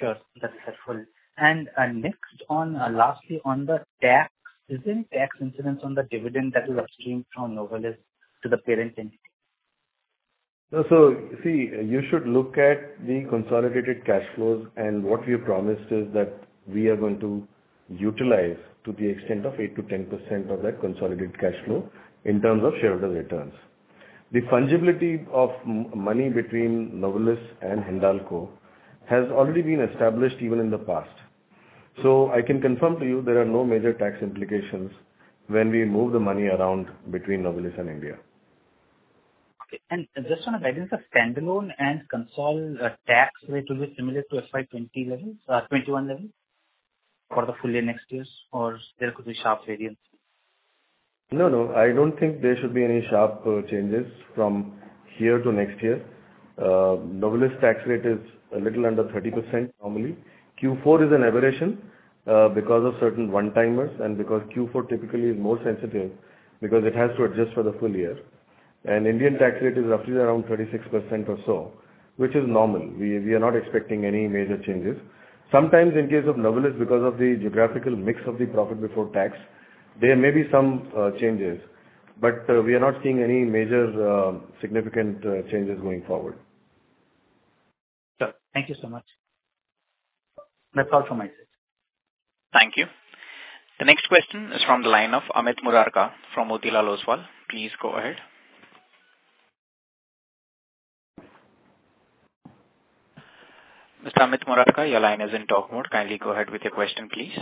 Sure. That's helpful. Next, lastly on the tax. Is there any tax incidence on the dividend that will upstream from Novelis to the parent entity? See, you should look at the consolidated cash flows, and what we have promised is that we are going to utilize to the extent of 8%-10% of that consolidated cash flow in terms of shareholder returns. The fungibility of money between Novelis and Hindalco has already been established even in the past. I can confirm to you there are no major tax implications when we move the money around between Novelis and India. Okay. Just on a guidance of standalone and consolidated tax rate will be similar to FY 2021 level for the full year next year, or there could be sharp variance? No, I don't think there should be any sharp changes from here to next year. Novelis tax rate is a little under 30% normally. Q4 is an aberration because of certain one-timers and because Q4 typically is more sensitive because it has to adjust for the full year. Indian tax rate is roughly around 36% or so, which is normal. We are not expecting any major changes. Sometimes in case of Novelis, because of the geographical mix of the profit before tax, there may be some changes, but we are not seeing any major significant changes going forward. Sir, thank you so much. That's all from my end. Thank you. The next question is from the line of Amit Murarka from Motilal Oswal. Please go ahead. Mr. Amit Murarka, your line is in talk mode. Kindly go ahead with your question, please.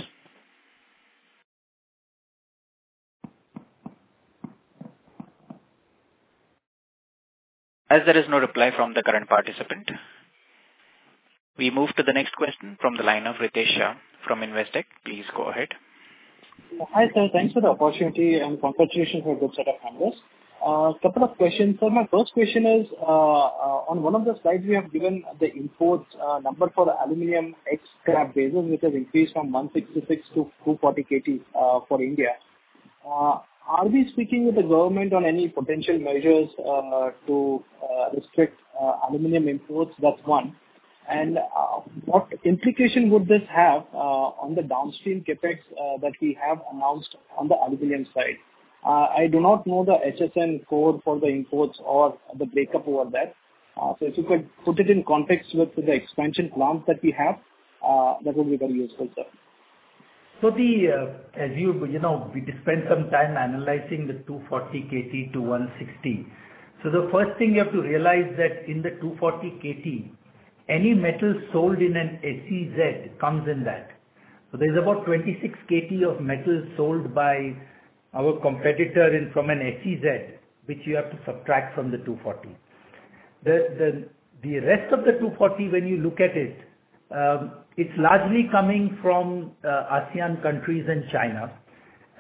As there is no reply from the current participant, we move to the next question from the line of Ritesh Shah from Investec. Please go ahead. Hi, sir. Thanks for the opportunity and congratulations on the good set of numbers. Couple of questions. Sir, my first question is, on one of the slides you have given the imports number for the aluminum scrap basis, which has increased from 166 Kt-240 Kt for India. Are we speaking with the government on any potential measures to restrict aluminum imports? That's one. What implication would this have on the downstream CapEx that we have announced on the aluminum side? I do not know the HSN code for the imports or the breakup over that. If you could put it in context with the expansion plans that we have, that will be very useful, sir. We spend some time analyzing the 240 Kt-160 Kt. The first thing you have to realize that in the 240 Kt, any metal sold in an SEZ comes in that. There's about 26 Kt of metal sold by our competitor from an SEZ, which you have to subtract from the 240 Kt. The rest of the 240 Kt, when you look at it's largely coming from ASEAN countries and China.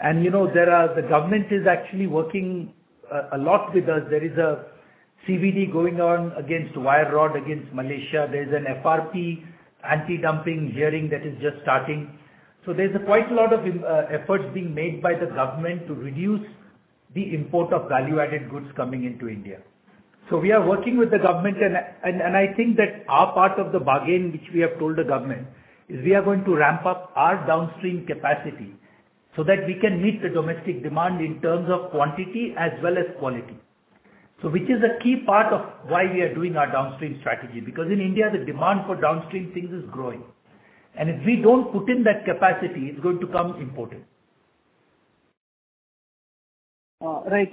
The government is actually working a lot with us. There is a CVD going on against wire rod, against Malaysia. There's an FRP anti-dumping hearing that is just starting. There's quite a lot of efforts being made by the government to reduce the import of value-added goods coming into India. We are working with the government, and I think that our part of the bargain, which we have told the government, is we are going to ramp up our downstream capacity so that we can meet the domestic demand in terms of quantity as well as quality. Which is a key part of why we are doing our downstream strategy, because in India, the demand for downstream things is growing, and if we don't put in that capacity, it's going to come imported. Right.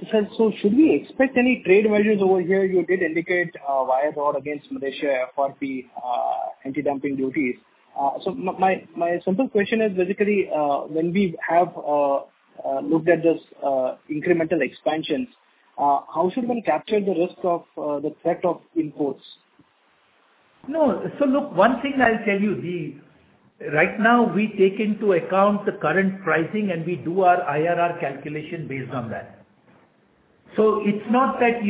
Should we expect any trade measures over here? You did indicate wire rod against Malaysia, FRP anti-dumping duties. My simple question is, basically, when we have looked at this incremental expansions, how should we capture the risk of the threat of imports? No. look, one thing I'll tell you, right now we take into account the current pricing, and we do our IRR calculation based on that. It's not that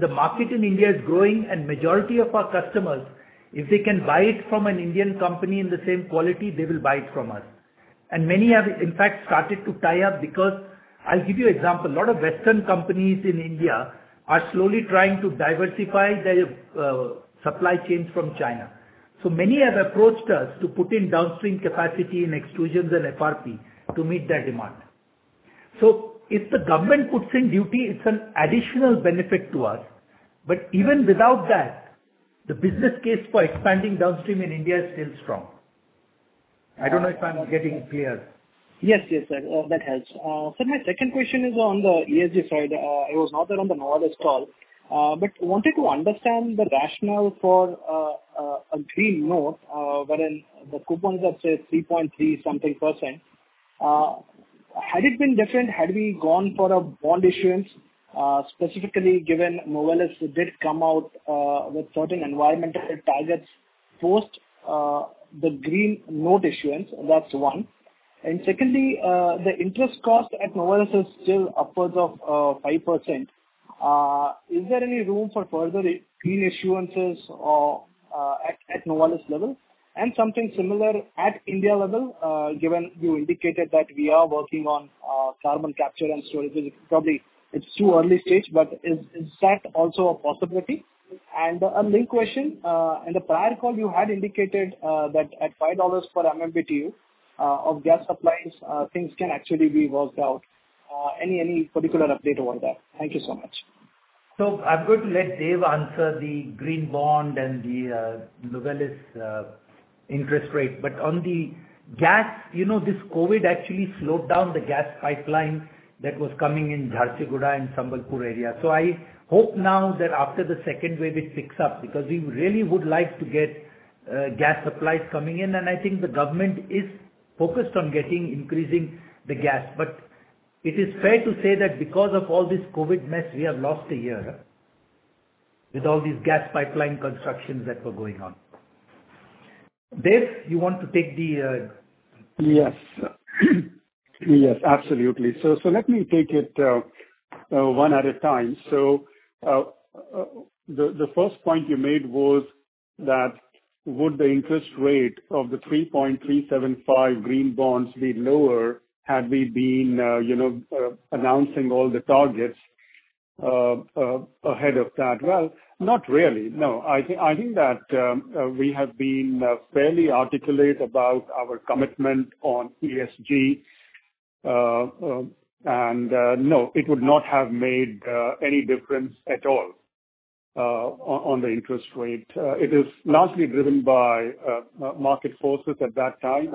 the market in India is growing and majority of our customers, if they can buy it from an Indian company in the same quality, they will buy it from us. Many have in fact started to tie up because I'll give you example, a lot of Western companies in India are slowly trying to diversify their supply chain from China. Many have approached us to put in downstream capacity in extrusions and FRP to meet that demand. If the government puts in duty, it's an additional benefit to us. Even without that, the business case for expanding downstream in India stands strong. I don't know if I'm getting clear. Yes, sir. That helps. Sir, my second question is on the ESG side. It was not on the Novelis call, but wanted to understand the rationale for a green note wherein the coupons are, say, 3.3% something. Had it been different had we gone for a bond issuance, specifically given Novelis did come out with certain environmental targets post the green note issuance? That's one. Secondly, the interest cost at Novelis is still upwards of 5%. Is there any room for further green issuances at Novelis level? Something similar at India level, given you indicated that we are working on carbon capture and storage, which probably it's too early stage, but is that also a possibility? A main question, in the prior call you had indicated that at $5 per MMBtu of gas supplies, things can actually be worked out. Any particular update on that? Thank you so much. I'm going to let Dev answer the green bond and the Novelis interest rate. On the gas, this COVID actually slowed down the gas pipeline that was coming in Jharsuguda and Sambalpur area. I hope now that after the second wave it picks up because we really would like to get gas supplies coming in and I think the government is focused on increasing the gas. It is fair to say that because of all this COVID mess we have lost a year with all these gas pipeline constructions that were going on. Dev, you want to take the- Yes, absolutely. Let me take it one at a time. The first point you made was that would the interest rate of the 3.375 green bonds be lower had we been announcing all the targets ahead of that? Well, not really, no. I think that we have been fairly articulate about our commitment on ESG. No, it would not have made any difference at all on the interest rate. It is largely driven by market forces at that time,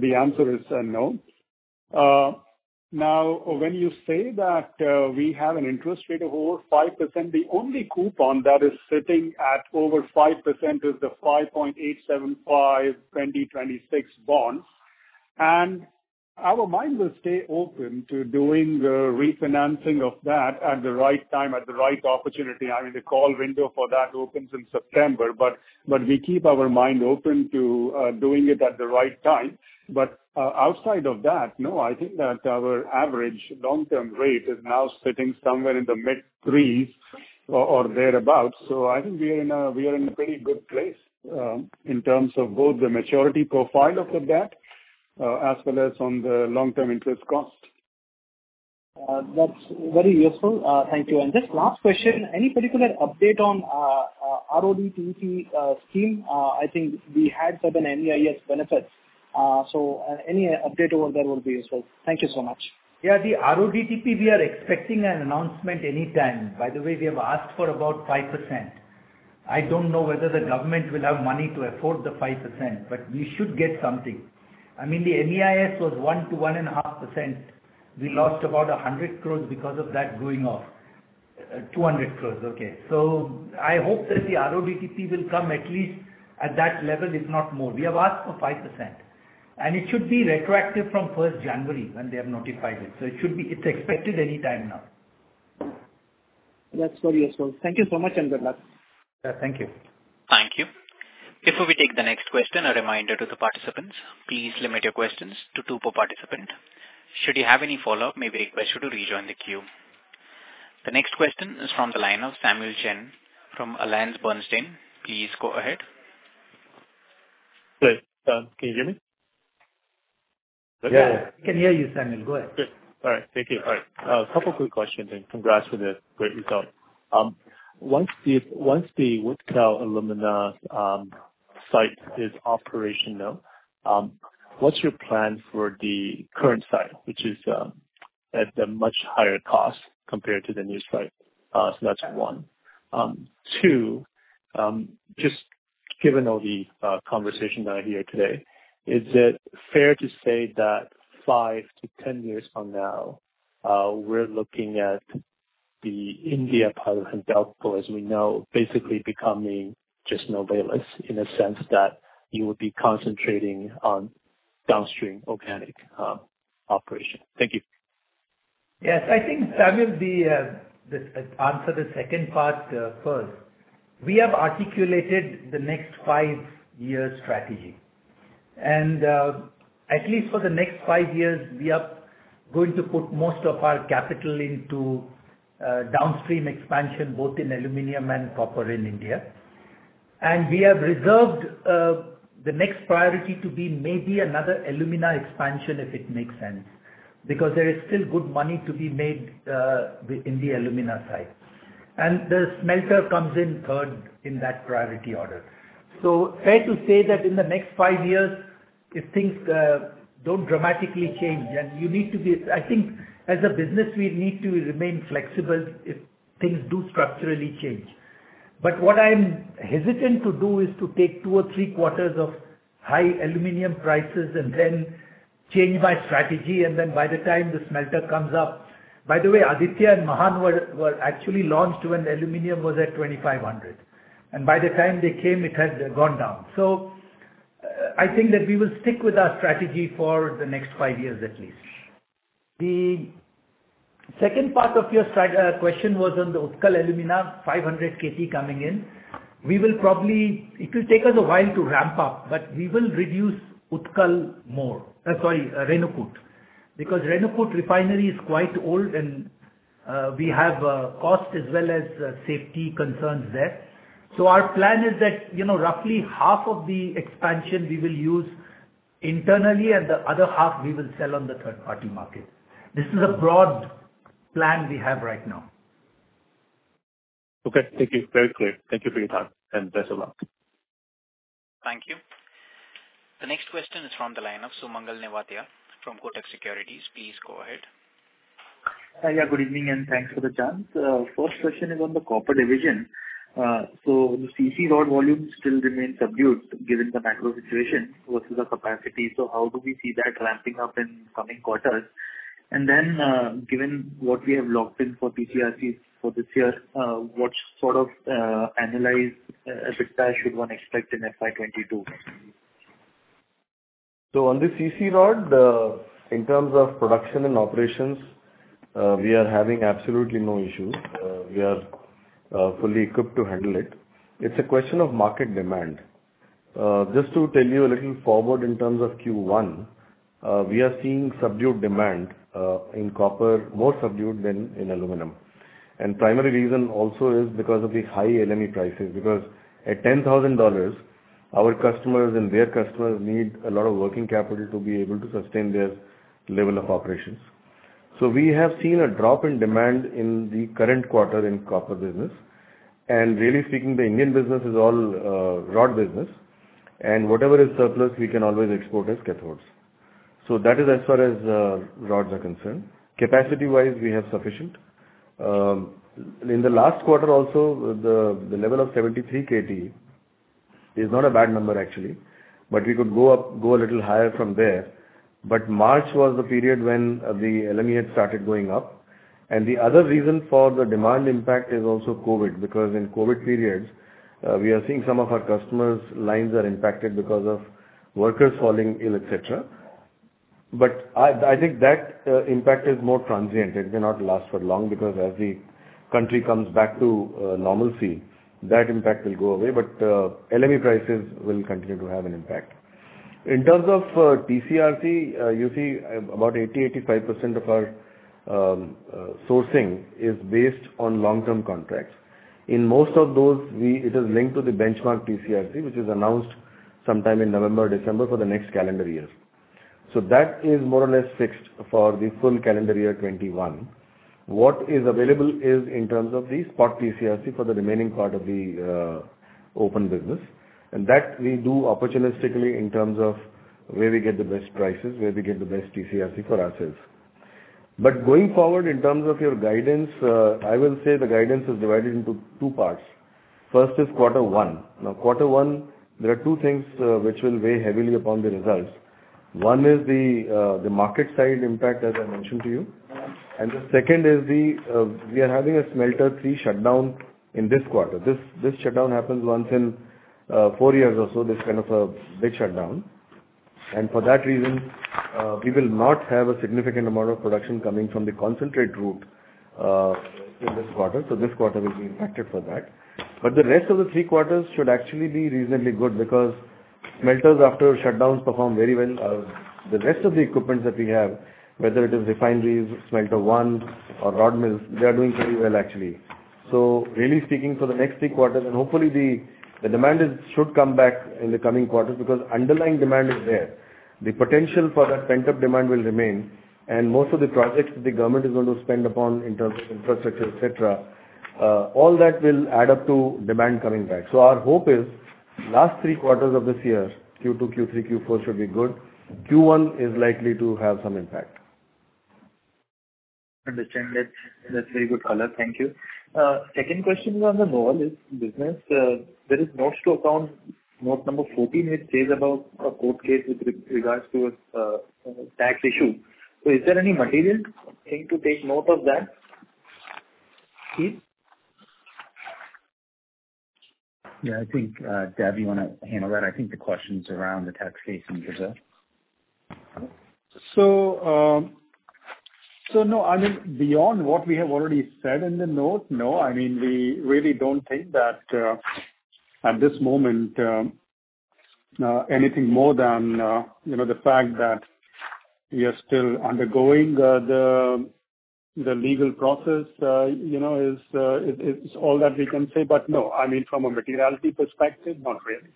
the answer is no. When you say that we have an interest rate of over 5%, the only coupon that is sitting at over 5% is the 5.875 2026 bond. Our mind will stay open to doing the refinancing of that at the right time, at the right opportunity. I mean, the call window for that opens in September, but we keep our mind open to doing it at the right time. Outside of that, no, I think that our average long-term rate is now sitting somewhere in the mid threes or thereabout. I think we are in a very good place in terms of both the maturity profile of the debt as well as on the long-term interest cost. That's very useful. Thank you. This last question, any particular update on RoDTEP scheme? I think we had certain MEIS benefits. Any update over there will be useful. Thank you so much. Yeah, the RoDTEP, we are expecting an announcement any time. By the way, we have asked for about 5%. I don't know whether the government will have money to afford the 5%, but we should get something. I mean, the MEIS was 1%-1.5%. We lost about 100 crores because of that going off. 200 crores. Okay. I hope that the RoDTEP will come at least at that level, if not more. We have asked for 5%. It should be retroactive from 1st January when they have notified it. It's expected any time now. That's very useful. Thank you so much, Devinder Ahuja. Yeah, thank you. Thank you. Before we take the next question, a reminder to the participants, please limit your questions to two per participant. Should you have any follow-up, may I request you to rejoin the queue. The next question is from the line of Samuel Chen from Alliance Bernstein. Please go ahead. Good. Can you hear me? Yeah. Can hear you, Samuel. Go ahead. Good. All right. Thank you. A couple quick questions and congrats on the great result. Once the Utkal Alumina Site is operational, what's your plan for the current site, which is at a much higher cost compared to the new site? That's one. Two, just given all the conversation out here today, is it fair to say that 5-10 years from now, we're looking at the India part of Hindalco, as we know, basically becoming just Novelis in a sense that you will be concentrating on downstream organic operation. Yes. I think, Samuel, I'll answer the second part first. We have articulated the next five-year strategy. At least for the next five years, we are going to put most of our capital into downstream expansion, both in aluminium and copper in India. We have reserved the next priority to be maybe another alumina expansion, if it makes sense, because there is still good money to be made in the alumina side. The smelter comes in third in that priority order. Fair to say that in the next five years, if things don't dramatically change, I think as a business, we need to remain flexible if things do structurally change. What I'm hesitant to do is to take two or three quarters of high aluminium prices and then change my strategy, and then by the time the smelter comes up. By the way, Aditya and Mahan were actually launched when aluminum was at 2,500, and by the time they came, it has gone down. I think that we will stick with our strategy for the next five years at least. The second part of your question was on the Utkal Alumina 500 Kt coming in. It will take us a while to ramp up, but we will reduce Renukoot, because Renukoot refinery is quite old, and we have cost as well as safety concerns there. Our plan is that roughly half of the expansion we will use internally and the other half we will sell on the third-party market. This is a broad plan we have right now. Okay. Thank you. Very clear. Thank you, Satish Pai, and best of luck. Thank you. The next question is from the line of Sumangal Nevatia from Kotak Securities. Please go ahead. Hi, good evening and thanks for the time. First question is on the copper division. The CCR volume still remains subdued given the macro situation versus the capacity. How do we see that ramping up in coming quarters? Given what we have locked in for TC/RCs for this year, what sort of annualized EBITDA should one expect in FY 2022? On the CC rod, in terms of production and operations, we are having absolutely no issue. We are fully equipped to handle it. It's a question of market demand. Just to tell you a little forward in terms of Q1, we are seeing subdued demand in copper, more subdued than in aluminum. Primary reason also is because of the high LME prices, because at $10,000, our customers and their customers need a lot of working capital to be able to sustain their level of operations. We have seen a drop in demand in the current quarter in copper business. Really speaking, the Indian business is all rod business, and whatever is surplus, we can always export as cathodes. That is as far as rods are concerned. Capacity-wise, we have sufficient. In the last quarter also, the level of 73 Kt is not a bad number actually, but we could go a little higher from there. March was the period when the LME had started going up. The other reason for the demand impact is also COVID, because in COVID periods, we are seeing some of our customers' lines are impacted because of workers falling ill, etc. I think that impact is more transient. It may not last for long because as the country comes back to normalcy, that impact will go away. LME prices will continue to have an impact. In terms of TC/RC, you see about 80%-85% of our sourcing is based on long-term contracts. In most of those, it is linked to the benchmark TC/RC, which is announced sometime in November or December for the next calendar years. That is more or less fixed for the full calendar year 2021. What is available is in terms of the spot TC/RC for the remaining part of the open business. That we do opportunistically in terms of where we get the best prices, where we get the best PCRT for ourselves. Going forward in terms of your guidance, I will say the guidance is divided into two parts. First is quarter one. Quarter one, there are two things which will weigh heavily upon the results. One is the market side impact, as I mentioned to you. The second is we are having a Smelter 3 shutdown in this quarter. This shutdown happens once in four years or so, this kind of a big shutdown. For that reason, we will not have a significant amount of production coming from the concentrate route in this quarter, so this quarter will be impacted for that. The rest of the three quarters should actually be reasonably good because smelters after shutdowns perform very well. The rest of the equipment that we have, whether it is refineries, smelter one or rod mills, they're doing very well actually. Really speaking for the next three quarters, hopefully the demand should come back in the coming quarters because underlying demand is there. The potential for that pent-up demand will remain, most of the projects that the government is going to spend upon in terms of infrastructure, etc, all that will add up to demand coming back. Our hope is last three quarters of this year, Q2, Q3, Q4 should be good. Q1 is likely to have some impact. Understood. That's very good color. Thank you. Second question is on the overall business. There is note to account, note number 14, it says about a court case with regards to its tax issue. Is there any material thing to take note of that? I think, Devinder, you want to handle that? I think the question's around the taxation issue. No, beyond what we have already said in the note, no. We really don't think that at this moment, anything more than the fact that we are still undergoing the legal process is all that we can say. No, from a materiality perspective, not really.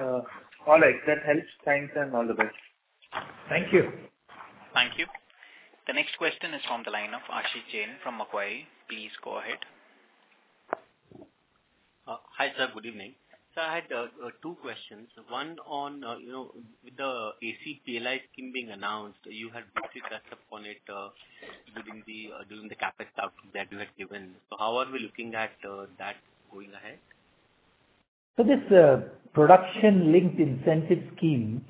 All right. That helps. Thanks and all the best. Thank you. Thank you. The next question is on the line of Ashish Jain from Macquarie. Please go ahead. Hi, sir. Good evening. Sir, I had two questions. One on the AC PLI scheme being announced. You had briefly touched upon it during the capital outcomes that you had given. How are we looking at that going ahead? This production-linked incentive scheme,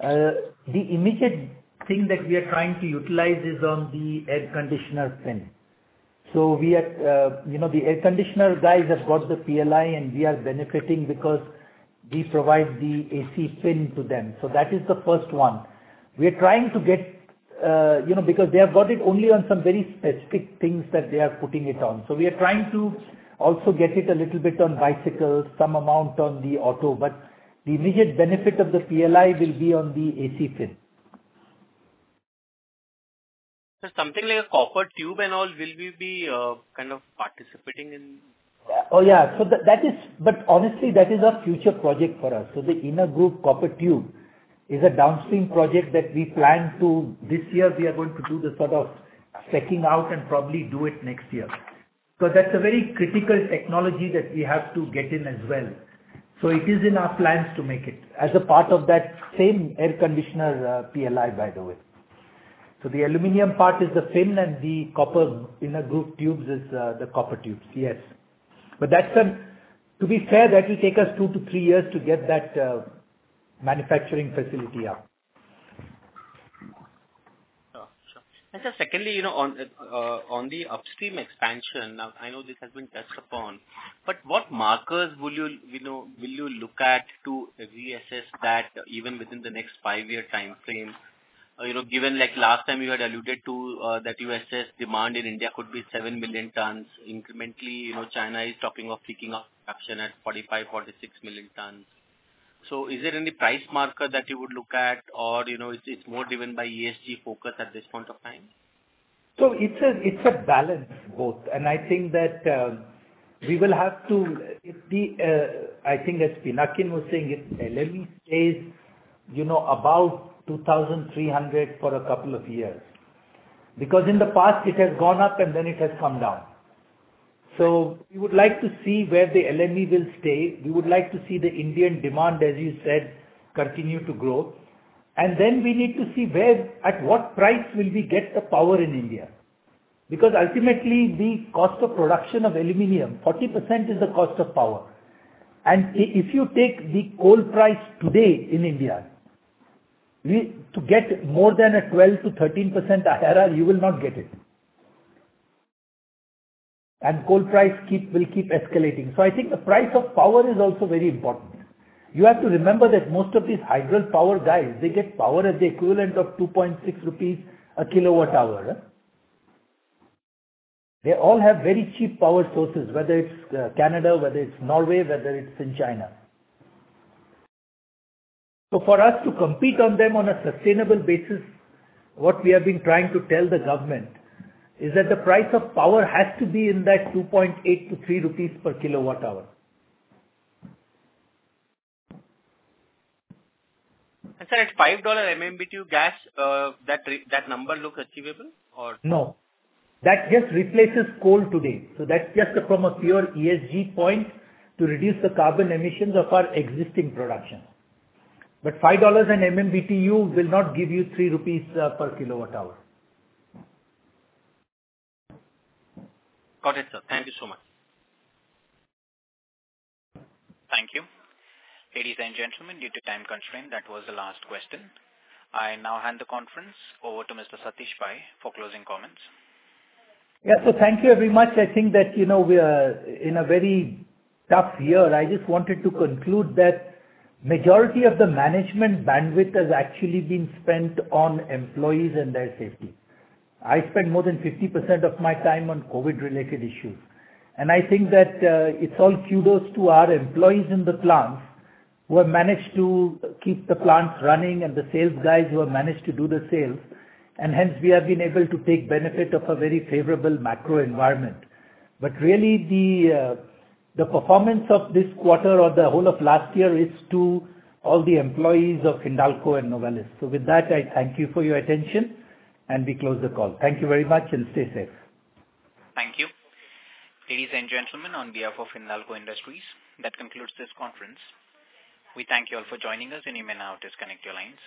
the immediate thing that we are trying to utilize is on the air conditioner fin. The air conditioner guys have got the PLI, and we are benefiting because we provide the AC fin to them. That is the first one. They have got it only on some very specific things that they are putting it on. We are trying to also get it a little bit on bicycles, some amount on the auto, but the immediate benefit of the PLI will be on the AC fin. Sir, something like a copper tube and all, will we be participating in? Oh, yeah. Honestly, that is a future project for us. The inner groove copper tube is a downstream project that we plan to, this year we are going to do the sort of setting out and probably do it next year. That's a very critical technology that we have to get in as well. It is in our plans to make it as a part of that same air conditioner PLI, by the way. The aluminum part is the fin and the copper inner groove tubes is the copper tubes, yes. To be fair, that will take us two to three years to get that manufacturing facility up. Sure. Sir, secondly, on the upstream expansion, now I know this has been touched upon, but what markers will you look at to reassess that even within the next five-year timeframe? Given like last time you had alluded to that you assessed demand in India could be 7 million tons. Incrementally, China is talking of kicking off production at 45 million, 46 million tons. Is there any price marker that you would look at or is this more driven by ESG focus at this point of time? It's a balance, both. I think as Pinakin was saying, if LME stays above $2,300 for a couple of years. In the past it has gone up and then it has come down. We would like to see where the LME will stay. We would like to see the Indian demand, as you said, continue to grow. We need to see at what price will we get the power in India. Ultimately the cost of production of aluminum, 40% is the cost of power. If you take the coal price today in India, to get more than a 12%-13% IRR, you will not get it. Coal price will keep escalating. I think the price of power is also very important. You have to remember that most of these hydropower guys, they get power at the equivalent of 2.6 rupees per kWh. They all have very cheap power sources, whether it's Canada, whether it's Norway, whether it's in China. For us to compete on them on a sustainable basis, what we have been trying to tell the government is that the price of power has to be in that 2.8-3 rupees per kWh. Sir, at INR 5 MMBtu gas, that number looks achievable? No. That just replaces coal today. That's just from a pure ESG point to reduce the carbon emissions of our existing production. $5 an MMBtu will not give you 3 rupees per kWh. Got it, sir. Thank you so much. Thank you. Ladies and gentlemen, due to time constraint, that was the last question. I now hand the conference over to Mr. Satish Pai for closing comments. Yeah. Thank you very much. I think that we are in a very tough year. I just wanted to conclude that majority of the management bandwidth has actually been spent on employees and their safety. I spent more than 50% of my time on COVID related issues. I think that it's all kudos to our employees in the plants who have managed to keep the plants running and the sales guys who have managed to do the sales, and hence we have been able to take benefit of a very favorable macro environment. Really the performance of this quarter or the whole of last year is to all the employees of Hindalco and Novelis. With that, I thank you for your attention and we close the call. Thank you very much and stay safe. Thank you. Ladies and gentlemen, on behalf of Hindalco Industries, that concludes this conference. We thank you all for joining us and you may now disconnect your lines.